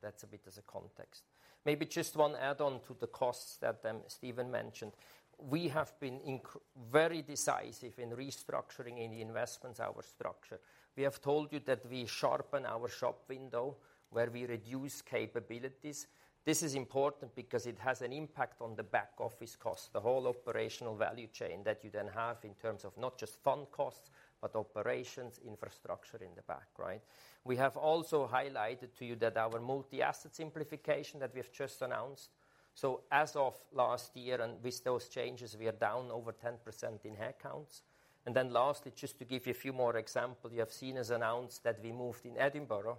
that's a bit as a context. Maybe just one add-on to the costs that Stephen mentioned. We have been very decisive in restructuring in the Investments, our structure. We have told you that we sharpen our shop window, where we reduce capabilities. This is important because it has an impact on the back-office cost, the whole operational value chain that you then have in terms of not just fund costs, but operations, infrastructure in the back, right? We have also highlighted to you that our multi-asset simplification that we have just announced. As of last year, and with those changes, we are down over 10% in headcounts. Lastly, just to give you a few more example, you have seen us announce that we moved in Edinburgh,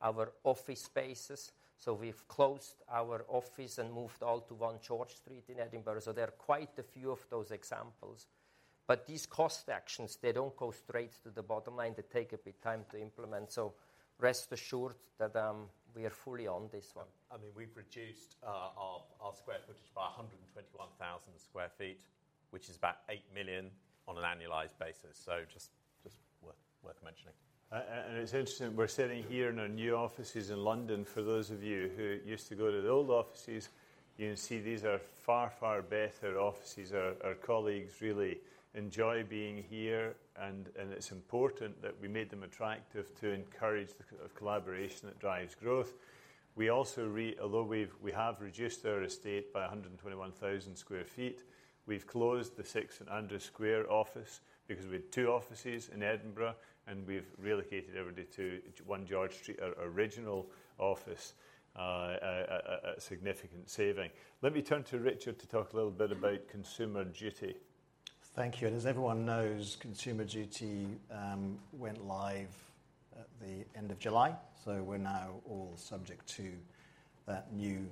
our office spaces. We've closed our office and moved all to One George Street in Edinburgh. There are quite a few of those examples. These cost actions, they don't go straight to the bottom line. They take a bit time to implement. Rest assured that, we are fully on this one. I mean, we've reduced, our, our square footage by 121,000 sq ft, which is about 8 million on an annualized basis. Just, just worth, worth mentioning. It's interesting, we're sitting here in our new offices in London. For those of you who used to go to the old offices, you can see these are far, far better offices. Our colleagues really enjoy being here, and it's important that we made them attractive to encourage the collaboration that drives growth. We also although we've, we have reduced our estate by 121,000 sq ft, we've closed the 6 St Andrew Square office because we had two offices in Edinburgh, and we've relocated everybody to 1 George Street, our original office, a significant saving. Let me turn to Richard to talk a little bit about Consumer Duty. Thank you. As everyone knows, Consumer Duty went live at the end of July, so we're now all subject to that new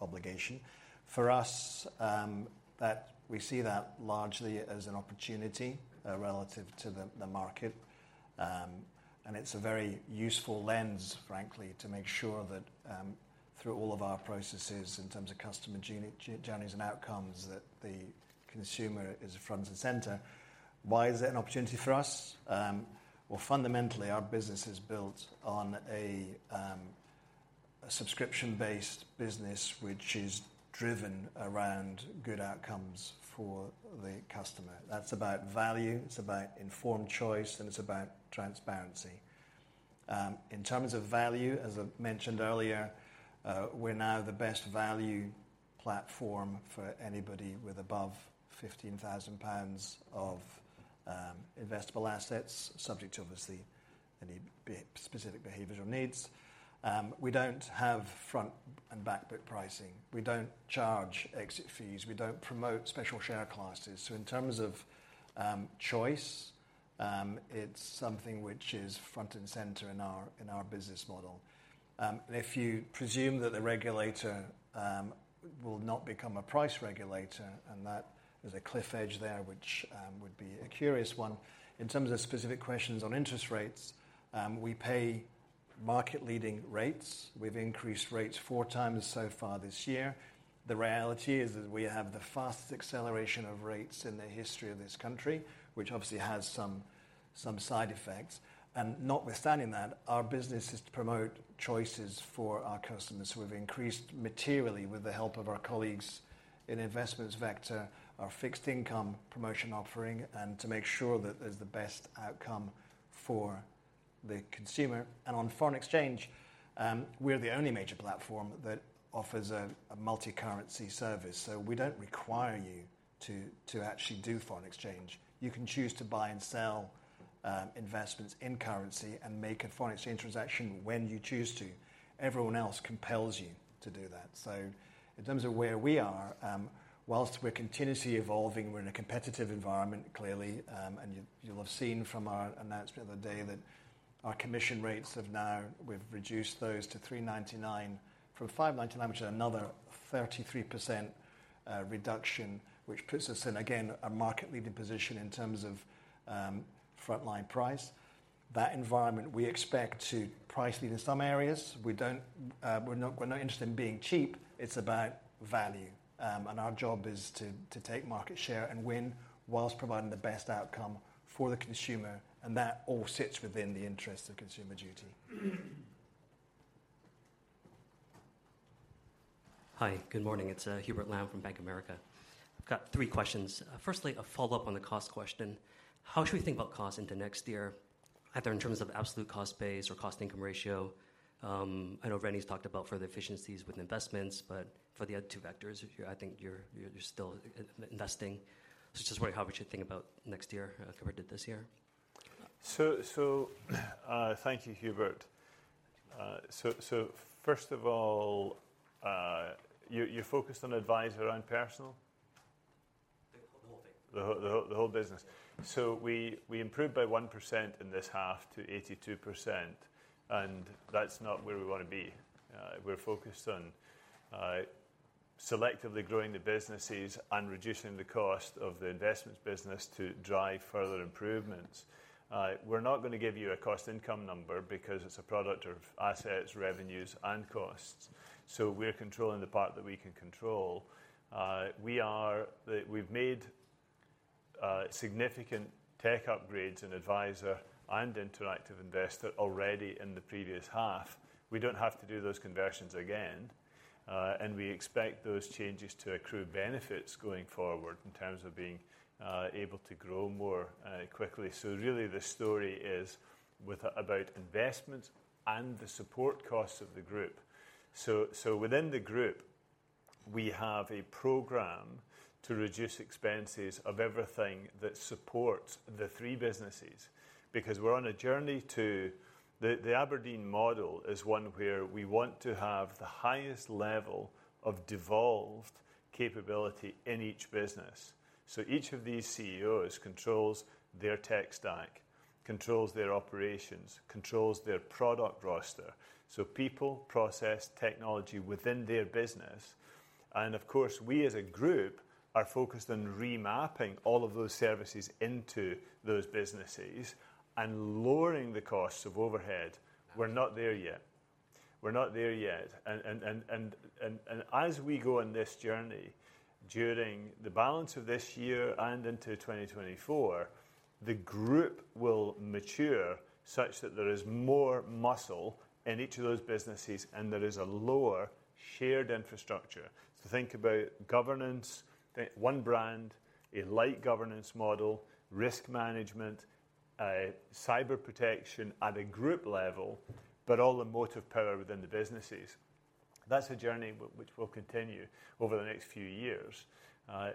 obligation. For us, that, we see that largely as an opportunity relative to the, the market. It's a very useful lens, frankly, to make sure that through all of our processes in terms of customer jour-journeys and outcomes, that the consumer is front and center. Why is it an opportunity for us? Well, fundamentally, our business is built on a... a subscription-based business, which is driven around good outcomes for the customer. That's about value, it's about informed choice, and it's about transparency. In terms of value, as I've mentioned earlier, we're now the best value platform for anybody with above 15,000 pounds of investable assets, subject to obviously any specific behaviors or needs. We don't have front and backbook pricing. We don't charge exit fees. We don't promote special share classes. In terms of choice, it's something which is front and center in our, in our business model. If you presume that the regulator will not become a price regulator, and that there's a cliff edge there, which would be a curious one. In terms of specific questions on interest rates, we pay market-leading rates. We've increased rates four times so far this year. The reality is that we have the fastest acceleration of rates in the history of this country, which obviously has some, some side effects, and notwithstanding that, our business is to promote choices for our customers. We've increased materially, with the help of our colleagues in Investments Vector, our fixed income promotion offering, and to make sure that there's the best outcome for the consumer. On foreign exchange, we're the only major platform that offers a, a multicurrency service. We don't require you to, to actually do foreign exchange. You can choose to buy and sell, Investments in currency and make a foreign exchange transaction when you choose to. Everyone else compels you to do that. In terms of where we are, whilst we're continuously evolving, we're in a competitive environment, clearly, and you, you'll have seen from our announcement the other day that our commission rates have now, we've reduced those to 3.99 from 5.99, which is another 33% reduction, which puts us in, again, a market-leading position in terms of frontline price. That environment, we expect to price lead in some areas. We don't, we're not, we're not interested in being cheap, it's about value. Our job is to, to take market share and win, whilst providing the best outcome for the consumer, and that all sits within the interest of Consumer Duty. Hi, good morning. It's Hubert Lam from Bank of America. I've got three questions. Firstly, a follow-up on the cost question. How should we think about cost into next year, either in terms of absolute cost base or cost-income ratio? I know Randy's talked about further efficiencies with Investments, but for the other two vectors, if you-- I think you're, you're, you're still investing. So just wondering how we should think about next year compared to this year? Thank you, Hubert. First of all, you, you focused on Adviser and Personal? The whole thing. The whole, the whole, the whole business. We improved by 1% in this half to 82%, and that's not where we want to be. We're focused on selectively growing the businesses and reducing the cost of the Investments business to drive further improvements. We're not going to give you a cost income number because it's a product of assets, revenues, and costs. We're controlling the part that we can control. We've made significant tech upgrades in Adviser and Interactive Investor already in the previous half. We don't have to do those conversions again, and we expect those changes to accrue benefits going forward in terms of being able to grow more quickly. Really the story is with, about investment and the support costs of the group. Within the group, we have a program to reduce expenses of everything that supports the three businesses, because we're on a journey to. The abrdn model is one where we want to have the highest level of devolved capability in each business. Each of these CEOs controls their tech stack, controls their operations, controls their product roster, so people, process, technology within their business. Of course, we as a group, are focused on remapping all of those services into those businesses and lowering the costs of overhead. We're not there yet. We're not there yet. As we go on this journey, during the balance of this year and into 2024, the group will mature such that there is more muscle in each of those businesses, and there is a lower shared infrastructure. Think about governance, think one brand, a light governance model, risk management, cyber protection at a group level, but all the motive power within the businesses. That's a journey which will continue over the next few years.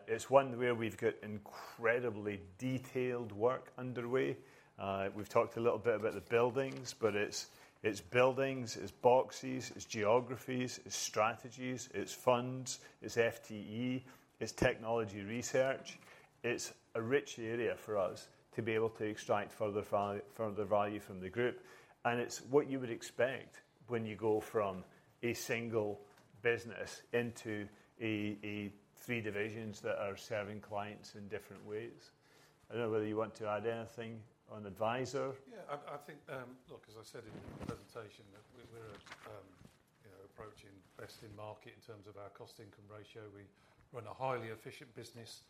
It's one where we've got incredibly detailed work underway. We've talked a little bit about the buildings, but it's, it's buildings, it's boxes, it's geographies, it's strategies, it's funds, it's FTE, it's technology research. It's a rich area for us to be able to extract further value from the group, and it's what you would expect when you go from a single business into a, a three divisions that are serving clients in different ways. I don't know whether you want to add anything on Adviser? Yeah, I, I think, look, as I said in the presentation, that we're, you know, best in market in terms of our cost-income ratio. We run a highly efficient business.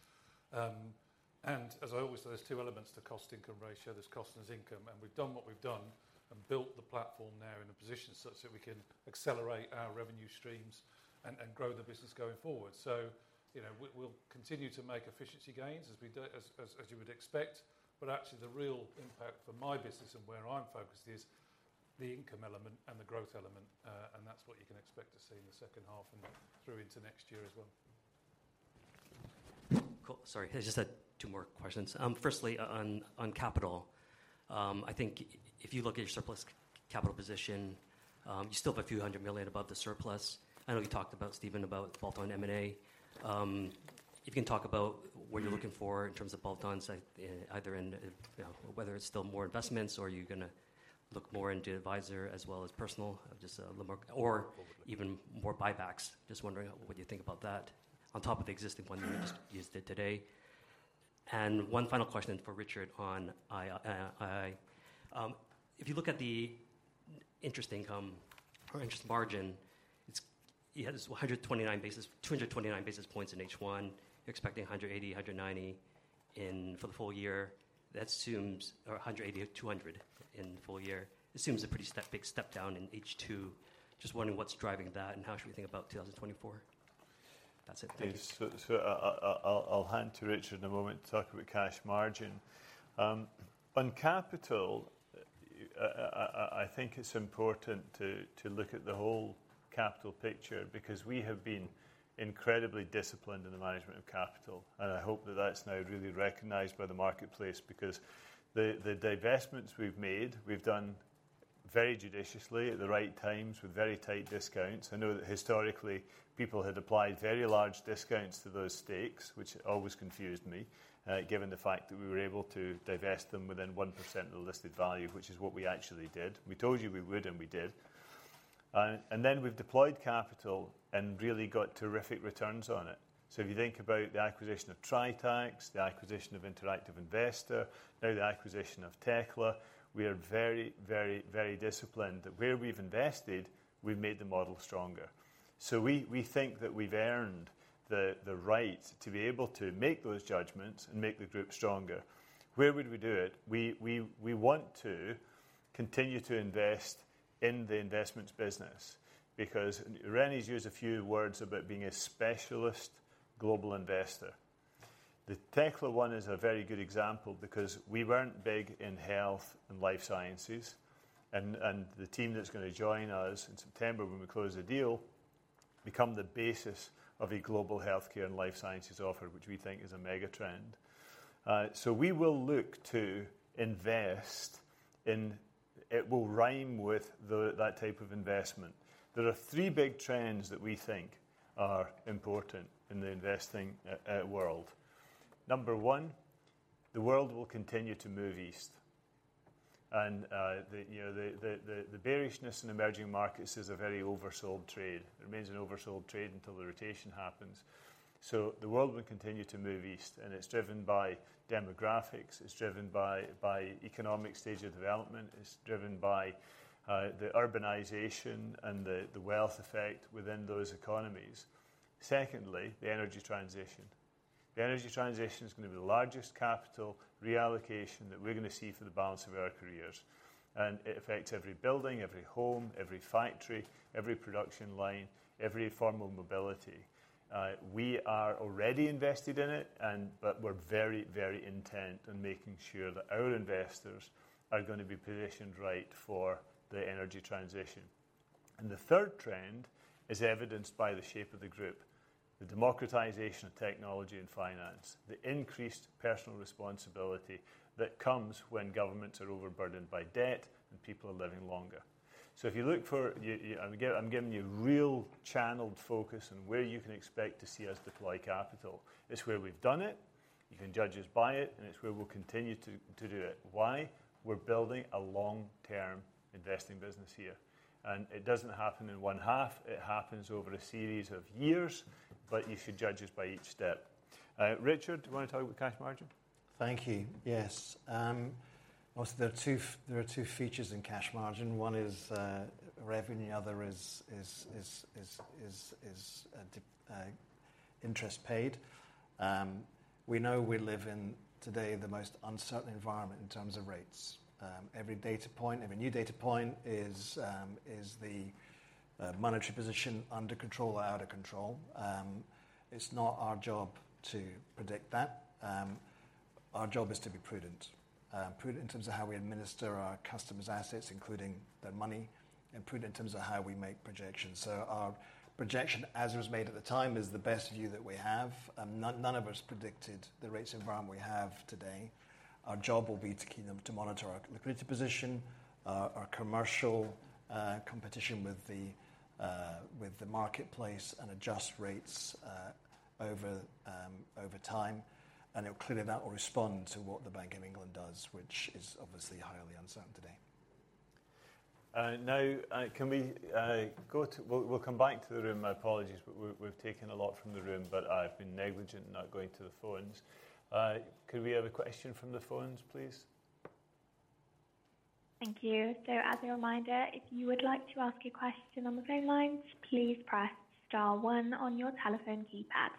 As I always say, there's two elements to cost-income ratio: there's cost and there's income. We've done what we've done and built the platform now in a position such that we can accelerate our revenue streams and, and grow the business going forward. You know, we'll continue to make efficiency gains as we do, as you would expect. Actually, the real impact for my business and where I'm focused is the income element and the growth element, and that's what you can expect to see in the second half and through into next year as well. Cool. Sorry, I just had two more questions. Firstly, on, on capital. I think if you look at your surplus capital position, you still have a few hundred million GBP above the surplus. I know you talked about, Stephen, about bolt-on M&A. If you can talk about what you're looking for in terms of bolt-ons, like, you know, whether it's still more Investments or are you gonna look more into Adviser as well as Personal, just a little more, or even more buybacks. Just wondering, what do you think about that on top of the existing one you, you stated today? One final question for Richard on ii. If you look at the interest income or interest margin, it's, you had this 129 basis-- 229 basis points in H1. You're expecting 180-190 for the full year. That assumes or 180-200 in full year. It seems a pretty step, big step down in H2. Just wondering what's driving that, and how should we think about 2024? That's it. Thank you. I'll hand to Richard in a moment to talk about cash margin. On capital, I think it's important to look at the whole capital picture because we have been incredibly disciplined in the management of capital, and I hope that that's now really recognized by the marketplace. The divestments we've made, we've done very judiciously, at the right times, with very tight discounts. I know that historically, people had applied very large discounts to those stakes, which always confused me, given the fact that we were able to divest them within 1% of the listed value, which is what we actually did. We told you we would, and we did. Then we've deployed capital and really got terrific returns on it. If you think about the acquisition of Tritax, the acquisition of Interactive Investor, now the acquisition of Tekla, we are very, very, very disciplined that where we've invested, we've made the model stronger. We, we think that we've earned the, the right to be able to make those judgments and make the group stronger. Where would we do it? We, we, we want to continue to invest in the Investments business because René's used a few words about being a specialist global investor. The Tekla one is a very good example because we weren't big in health and life sciences, and, and the team that's gonna join us in September when we close the deal, become the basis of a global healthcare and life sciences offer, which we think is a mega trend. We will look to invest in... It will rhyme with the, that type of investment. There are three big trends that we think are important in the investing world. Number one, the world will continue to move east. The, you know, the bearishness in emerging markets is a very oversold trade. It remains an oversold trade until the rotation happens. The world will continue to move east, and it's driven by demographics, it's driven by economic stage of development, it's driven by the urbanization and the wealth effect within those economies. Secondly, the energy transition. The energy transition is going to be the largest capital reallocation that we're going to see for the balance of our careers, and it affects every building, every home, every factory, every production line, every form of mobility. We are already invested in it, but we're very, very intent in making sure that our investors are going to be positioned right for the energy transition. The third trend is evidenced by the shape of the group, the democratization of technology and finance, the increased Personal responsibility that comes when governments are overburdened by debt and people are living longer. If you look for... I'm giving you real channeled focus on where you can expect to see us deploy capital. It's where we've done it, you can judge us by it, and it's where we'll continue to, to do it. Why? We're building a long-term investing business here, and it doesn't happen in one half. It happens over a series of years, but you should judge us by each step. Richard, do you want to talk about cash margin? Thank you. Yes, well, there are two features in cash margin. One is revenue, the other is interest paid. We know we live in today the most uncertain environment in terms of rates. Every data point, every new data point is the monetary position under control or out of control. It's not our job to predict that. Our job is to be prudent, prudent in terms of how we administer our customers' assets, including their money, and prudent in terms of how we make projections. Our projection, as it was made at the time, is the best view that we have. None, none of us predicted the rates environment we have today. Our job will be to keep them, to monitor our liquidity position, our commercial competition with the marketplace and adjust rates over time. Clearly, that will respond to what the Bank of England does, which is obviously highly uncertain today. Now, can we go to. We'll come back to the room. My apologies, but we've taken a lot from the room, but I've been negligent in not going to the phones. Could we have a question from the phones, please? Thank you. As a reminder, if you would like to ask a question on the phone lines, please press star one on your telephone keypad.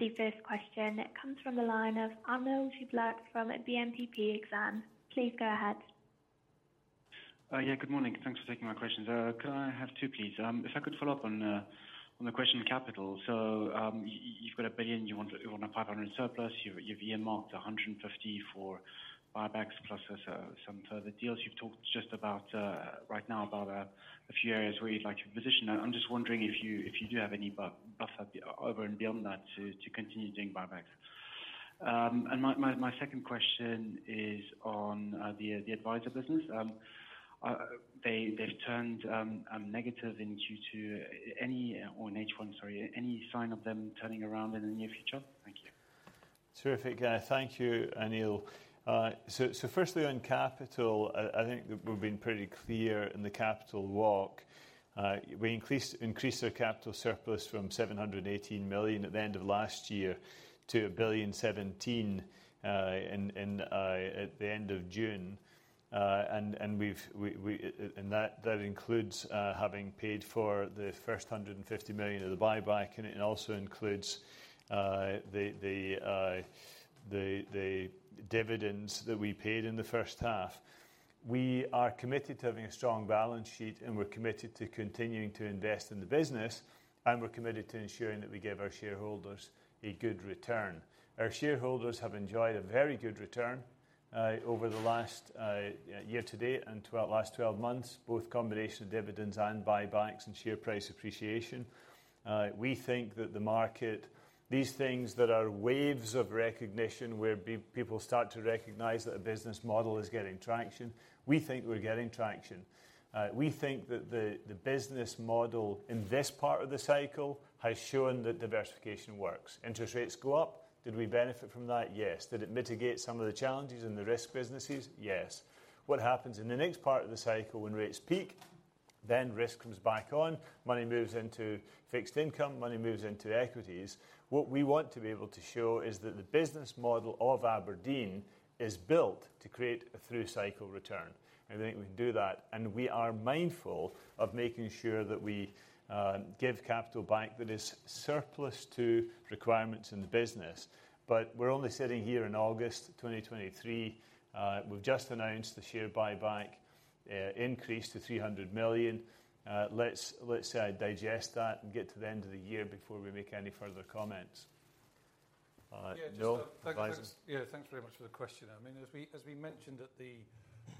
The first question comes from the line of Arnaud Giblat from BNPP Exane. Please go ahead. Yeah, good morning. Thanks for taking my questions. Could I have two, please? If I could follow up on the, on the question capital. You've got 1 billion, you want, you want a 500 million surplus. Your, your year marked 150 million for buybacks, plus there's some further deals. You've talked just about right now about a few areas where you'd like to position. I'm just wondering if you, if you do have any buffer over and beyond that to, to continue doing buybacks. My, my, my second question is on the, the Adviser business. They, they've turned negative in Q2. Any... Or in H1, sorry, any sign of them turning around in the near future? Thank you. Terrific. Thank you, Arnaud. Firstly, on capital, I, I think we've been pretty clear in the capital walk. We increased our capital surplus from 718 million at the end of 2022 to 1,017 million at the end of June. That includes having paid for the first 150 million of the buyback, and it also includes the dividends that we paid in the first half. We are committed to having a strong balance sheet, and we're committed to continuing to invest in the business, and we're committed to ensuring that we give our shareholders a good return. Our shareholders have enjoyed a very good return, over the last, year to date and last 12 months, both combination of dividends and buybacks and share price appreciation. We think that the market, these things that are waves of recognition, where people start to recognize that a business model is getting traction. We think we're getting traction. We think that the, the business model in this part of the cycle has shown that diversification works. Interest rates go up. Did we benefit from that? Yes. Did it mitigate some of the challenges in the risk businesses? Yes. What happens in the next part of the cycle when rates peak, risk comes back on, money moves into fixed income, money moves into equities. What we want to be able to show is that the business model of abrdn is built to create a through-cycle return, and I think we can do that. We are mindful of making sure that we give capital back that is surplus to requirements in the business. We're only sitting here in August 2023. We've just announced the share buyback increase to 300 million. Let's, let's digest that and get to the end of the year before we make any further comments. Noel, Advisers. Yeah, just thank you. Yeah, thanks very much for the question. I mean, as we, as we mentioned at the,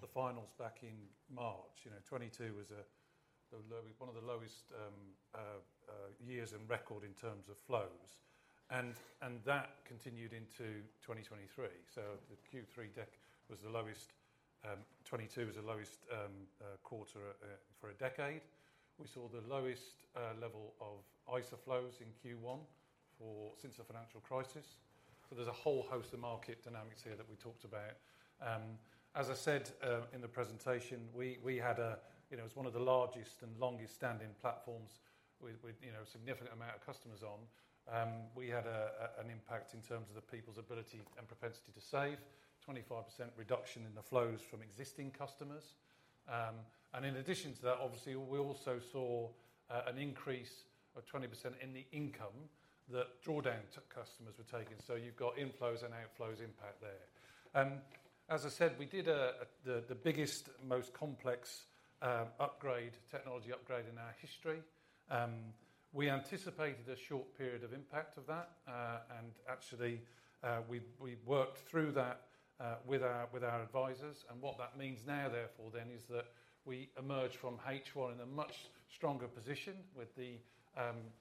the finals back in March, you know, 2022 was a, the low, one of the lowest years in record in terms of flows, and that continued into 2023. The Q3 deck was the lowest, 2022 was the lowest quarter for a decade. We saw the lowest level of ISA flows in Q1 for... since the financial crisis. There's a whole host of market dynamics here that we talked about. As I said, in the presentation, we had, you know, as one of the largest and longest standing platforms with, you know, a significant amount of customers on, we had an impact in terms of the people's ability and propensity to save. 25% reduction in the flows from existing customers. In addition to that, obviously, we also saw an increase of 20% in the income that drawdown to customers were taking. You've got inflows and outflows impact there. As I said, we did the biggest, most complex upgrade, technology upgrade in our history. We anticipated a short period of impact of that, and actually, we worked through that with our Advisers. What that means now, therefore, then, is that we emerged from H1 in a much stronger position with the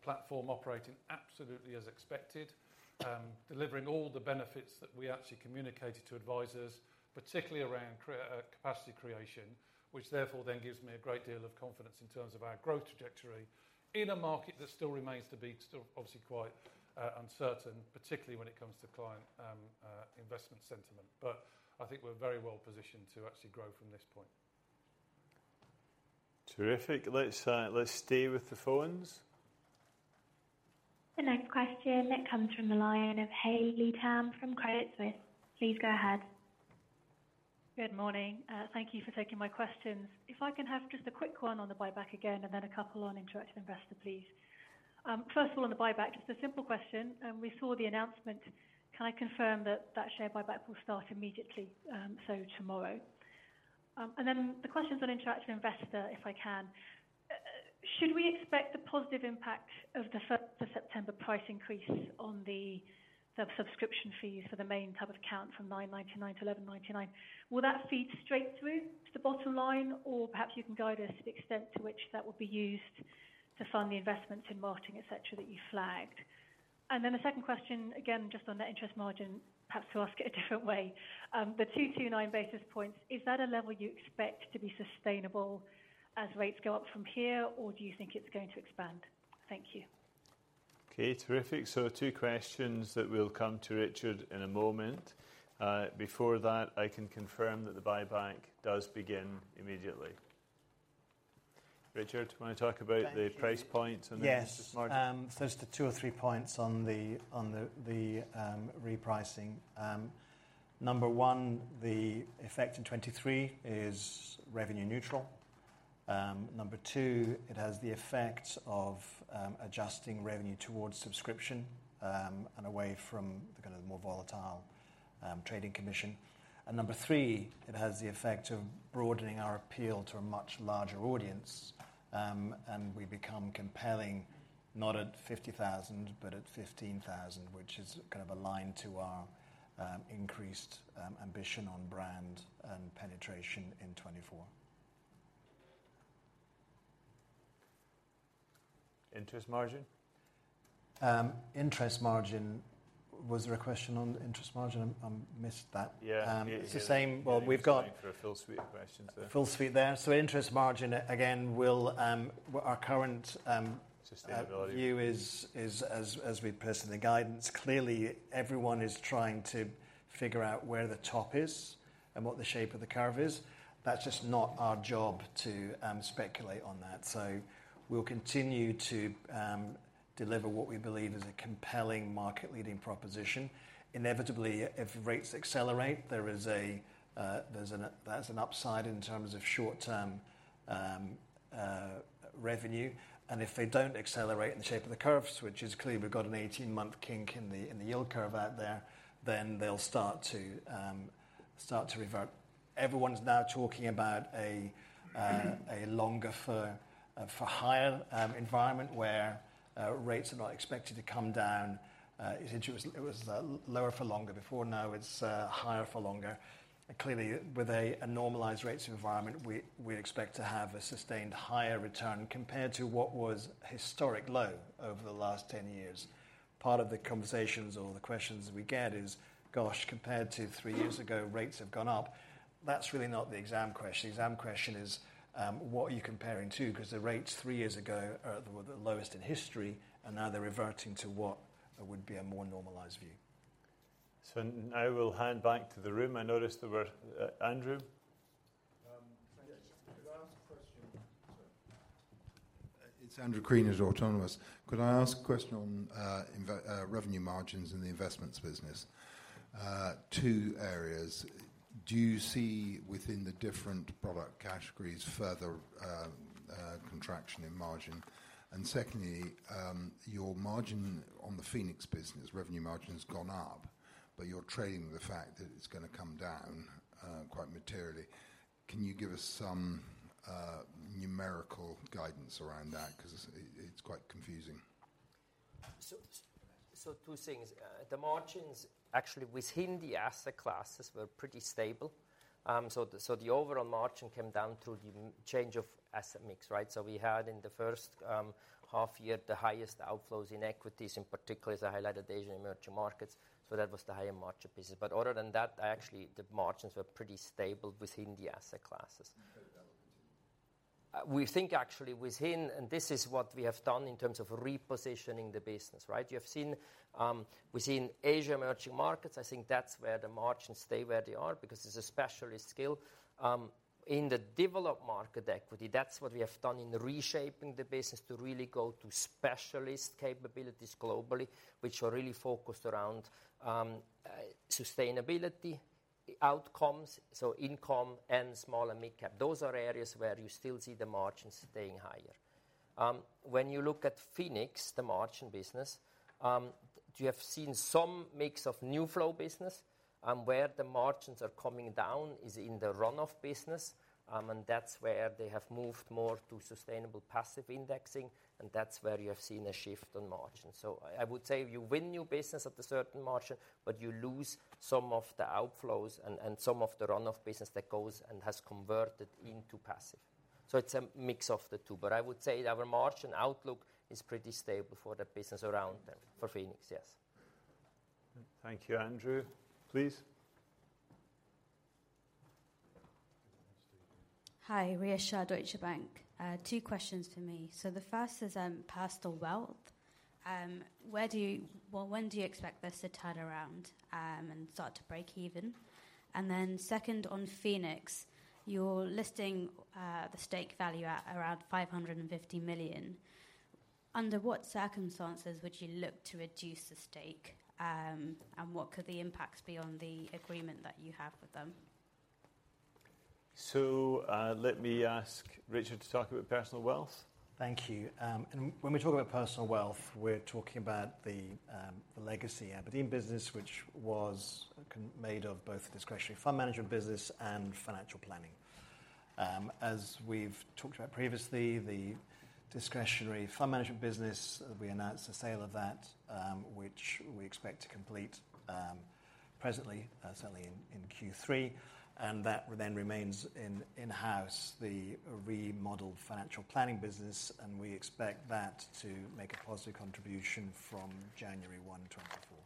platform operating absolutely as expected, delivering all the benefits that we actually communicated to Advisers, particularly around capacity creation, which therefore then gives me a great deal of confidence in terms of our growth trajectory in a market that still remains to be still obviously quite uncertain, particularly when it comes to client investment sentiment. I think we're very well positioned to actually grow from this point. Terrific. Let's, let's stay with the phones. The next question comes from the line of Hayley Tam from Credit Suisse. Please go ahead. Good morning. Thank you for taking my questions. If I can have just a quick one on the buyback again and then a couple on interactive investor, please. First of all, on the buyback, just a simple question, and we saw the announcement. Can I confirm that that share buyback will start immediately, so tomorrow? The questions on interactive investor, if I can. Should we expect the positive impact of the September price increase on the sub- subscription fees for the main type of account from 9.99 to 11.99? Will that feed straight through to the bottom line, or perhaps you can guide us to the extent to which that will be used to fund the Investments in marketing, et cetera, that you flagged? Then the second question, again, just on the interest margin, perhaps to ask it a different way. The 229 basis points, is that a level you expect to be sustainable as rates go up from here, or do you think it's going to expand? Thank you. Okay, terrific. Two questions that will come to Richard in a moment. Before that, I can confirm that the buyback does begin immediately. Richard, do you want to talk about the price point and the interest margin? Yes, just two or three points on the, on the, the, repricing. Number one, the effect in 2023 is revenue neutral. Number two, it has the effect of, adjusting revenue towards subscription, and away from the kind of more volatile, trading commission. Number three, it has the effect of broadening our appeal to a much larger audience, and we become compelling, not at 50,000, but at 15,000, which is kind of aligned to our, increased, ambition on brand and penetration in 2024. Interest margin? interest margin. Was there a question on interest margin? I missed that. Yeah. it's the same... Well, we've got- Looking for a full suite of questions there. Full suite there. Interest margin, again, will, our current- Sustainability... view is, is as, as we Personally guidance, clearly everyone is trying to figure out where the top is and what the shape of the curve is. That's just not our job to speculate on that. We'll continue to deliver what we believe is a compelling market-leading proposition. Inevitably, if rates accelerate, that's an upside in terms of short-term revenue. If they don't accelerate in the shape of the curves, which is clearly we've got an 18-month kink in the, in the yield curve out there, then they'll start to start to revert. Everyone's now talking about a longer for for higher environment where rates are not expected to come down. It was, it was lower for longer. Before now, it's higher for longer. Clearly, with a, a normalized rates environment, we, we expect to have a sustained higher return compared to what was historic low over the last 10 years. Part of the conversations or the questions we get is, gosh, compared to three years ago, rates have gone up. That's really not the exam question. The exam question is, what are you comparing to? Because the rates three years ago are the, were the lowest in history, and now they're reverting to what would be a more normalized view. Now we'll hand back to the room. I noticed there were... Andrew? Yes. Could I ask a question, sir? It's Andrew Green at Autonomous. Could I ask a question on revenue margins in the Investments business? Two areas. Do you see, within the different product categories, further contraction in margin? Secondly, your margin on the Phoenix business, revenue margin, has gone up, but you're trading the fact that it's going to come down quite materially. Can you give us some numerical guidance around that? Because it's, it's quite confusing. Two things. The margins actually within the asset classes were pretty stable. The overall margin came down to the change of asset mix, right? We had in the first half year, the highest outflows in equities, in particular, as I highlighted, Asia and emerging markets. That was the higher margin business. Other than that, actually, the margins were pretty stable within the asset classes. Development. We think actually within, and this is what we have done in terms of repositioning the business, right? You have seen, within Asia emerging markets, I think that's where the margins stay where they are, because it's a specialist skill. In the developed market equity, that's what we have done in reshaping the business to really go to specialist capabilities globally, which are really focused around, sustainability outcomes, so income and small and mid-cap. Those are areas where you still see the margins staying higher. When you look at Phoenix, the margin business, you have seen some mix of new flow business, and where the margins are coming down is in the run-off business. That's where they have moved more to sustainable passive indexing, and that's where you have seen a shift on margin. I would say you win new business at a certain margin, but you lose some of the outflows and some of the run-off business that goes and has converted into passive. It's a mix of the two. I would say our margin outlook is pretty stable for the business abrdn, for Phoenix, yes. Thank you, Andrew. Please. Hi, Rhea Shah, Deutsche Bank. Two questions for me. The first is, Personal wealth. Where do you... Well, when do you expect this to turn around and start to break even? Second, on Phoenix, you're listing the stake value at around 550 million. Under what circumstances would you look to reduce the stake, and what could the impacts be on the agreement that you have with them? Let me ask Richard to talk about Personal wealth. Thank you. When we talk about Personal wealth, we're talking about the legacy abrdn business, which was made of both the discretionary fund management business and financial planning. As we've talked about previously, the discretionary fund management business, we announced the sale of that, which we expect to complete presently, certainly in Q3, and that then remains in-house, the remodeled financial planning business, and we expect that to make a positive contribution from January 1, 2024.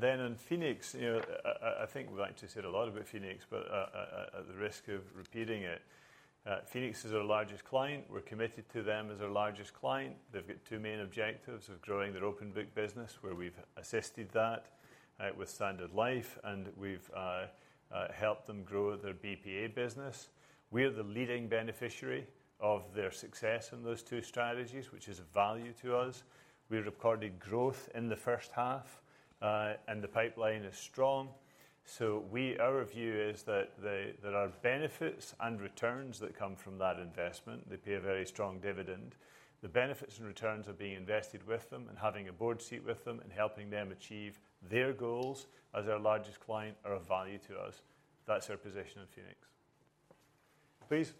Then on Phoenix, you know, I, I, I think we've actually said a lot about Phoenix, but at the risk of repeating it. Phoenix is our largest client. We're committed to them as our largest client. They've got two main objectives of growing their open book business, where we've assisted that with Standard Life, and we've helped them grow their BPA business. We are the leading beneficiary of their success in those two strategies, which is of value to us. We recorded growth in the first half, and the pipeline is strong. Our view is that there are benefits and returns that come from that investment. They pay a very strong dividend. The benefits and returns of being invested with them and having a board seat with them and helping them achieve their goals as our largest client are of value to us. That's our position on Phoenix. Please?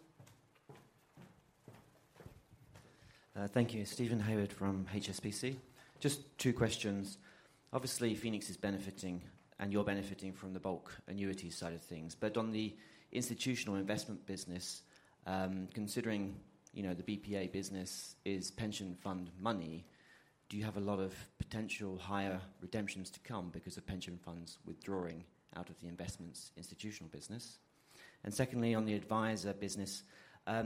Thank you. Stephen Hayward from HSBC. Just two questions. Obviously, Phoenix is benefiting, and you're benefiting from the bulk annuity side of things, but on the institutional investment business, considering, you know, the BPA business is pension fund money, do you have a lot of potential higher redemptions to come because of pension funds withdrawing out of the Investments institutional business? Secondly, on the Adviser business,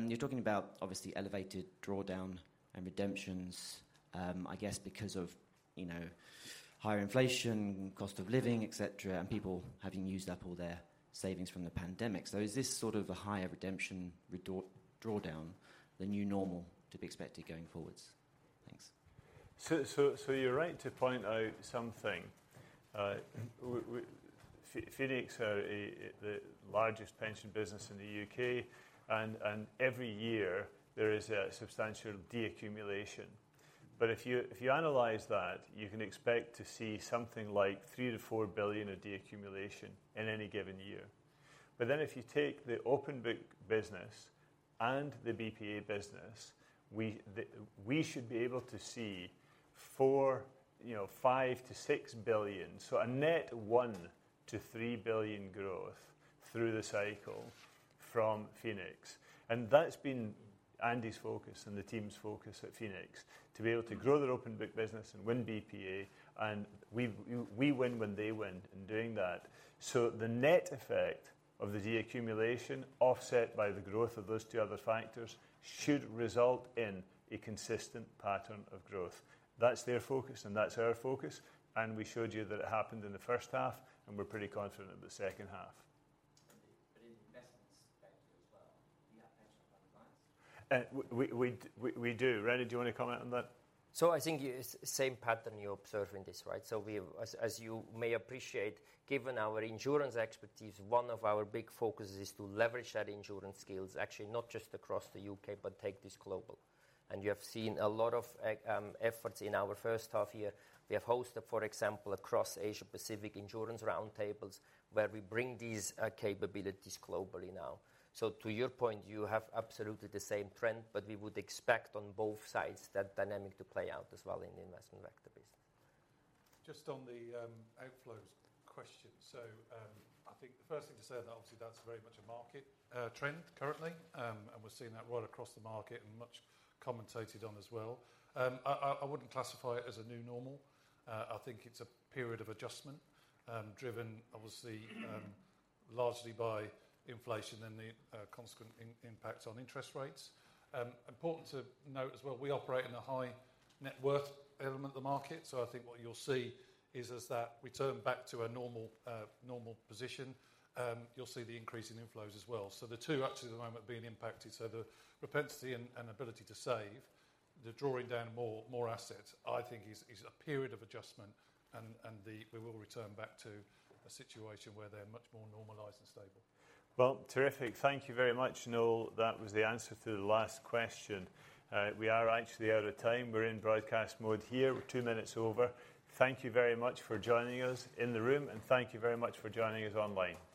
you're talking about obviously elevated drawdown and redemptions, I guess because of, you know, higher inflation, cost of living, et cetera, and people having used up all their savings from the pandemic. Is this sort of a higher redemption drawdown the new normal to be expected going forwards? Thanks. You're right to point out something. Phoenix are the largest pension business in the U.K., and every year there is a substantial deaccumulation. If you analyze that, you can expect to see something like 3 billion-4 billion of deaccumulation in any given year. If you take the open book business and the BPA business, we should be able to see 5 billion-6 billion, so a net 1 billion-3 billion growth through the cycle from Phoenix. That's been Andy's focus and the team's focus at Phoenix, to be able to grow their open book business and win BPA, and we win when they win in doing that. The net effect of the deaccumulation, offset by the growth of those two other factors, should result in a consistent pattern of growth. That's their focus, and that's our focus, and we showed you that it happened in the first half, and we're pretty confident in the second half. In the investment sector as well, you have pension fund clients? We, we, we do. René, do you want to comment on that? I think it's the same pattern you observe in this, right? As you may appreciate, given our insurance expertise, one of our big focuses is to leverage that insurance skills, actually not just across the U.K., but take this global. You have seen a lot of efforts in our first half-year. We have hosted, for example, across Asia-Pacific insurance roundtables, where we bring these capabilities globally now. To your point, you have absolutely the same trend, we would expect on both sides, that dynamic to play out as well in the investment vector base. Just on the outflows question. I think the first thing to say is that obviously that's very much a market trend currently, and we're seeing that right across the market and much commentated on as well. I, I, I wouldn't classify it as a new normal. I think it's a period of adjustment, driven obviously, largely by inflation and the consequent impact on interest rates. Important to note as well, we operate in a high net worth element of the market, so I think what you'll see is as that we return back to a normal, normal position, you'll see the increase in inflows as well. The two actually at the moment are being impacted. The propensity and ability to save, the drawing down more assets, I think is a period of adjustment, and we will return back to a situation where they're much more normalized and stable. Well, terrific. Thank you very much, Noel. That was the answer to the last question. We are actually out of time. We're in broadcast mode here. We're two minutes over. Thank you very much for joining us in the room, and thank you very much for joining us online. Thank you.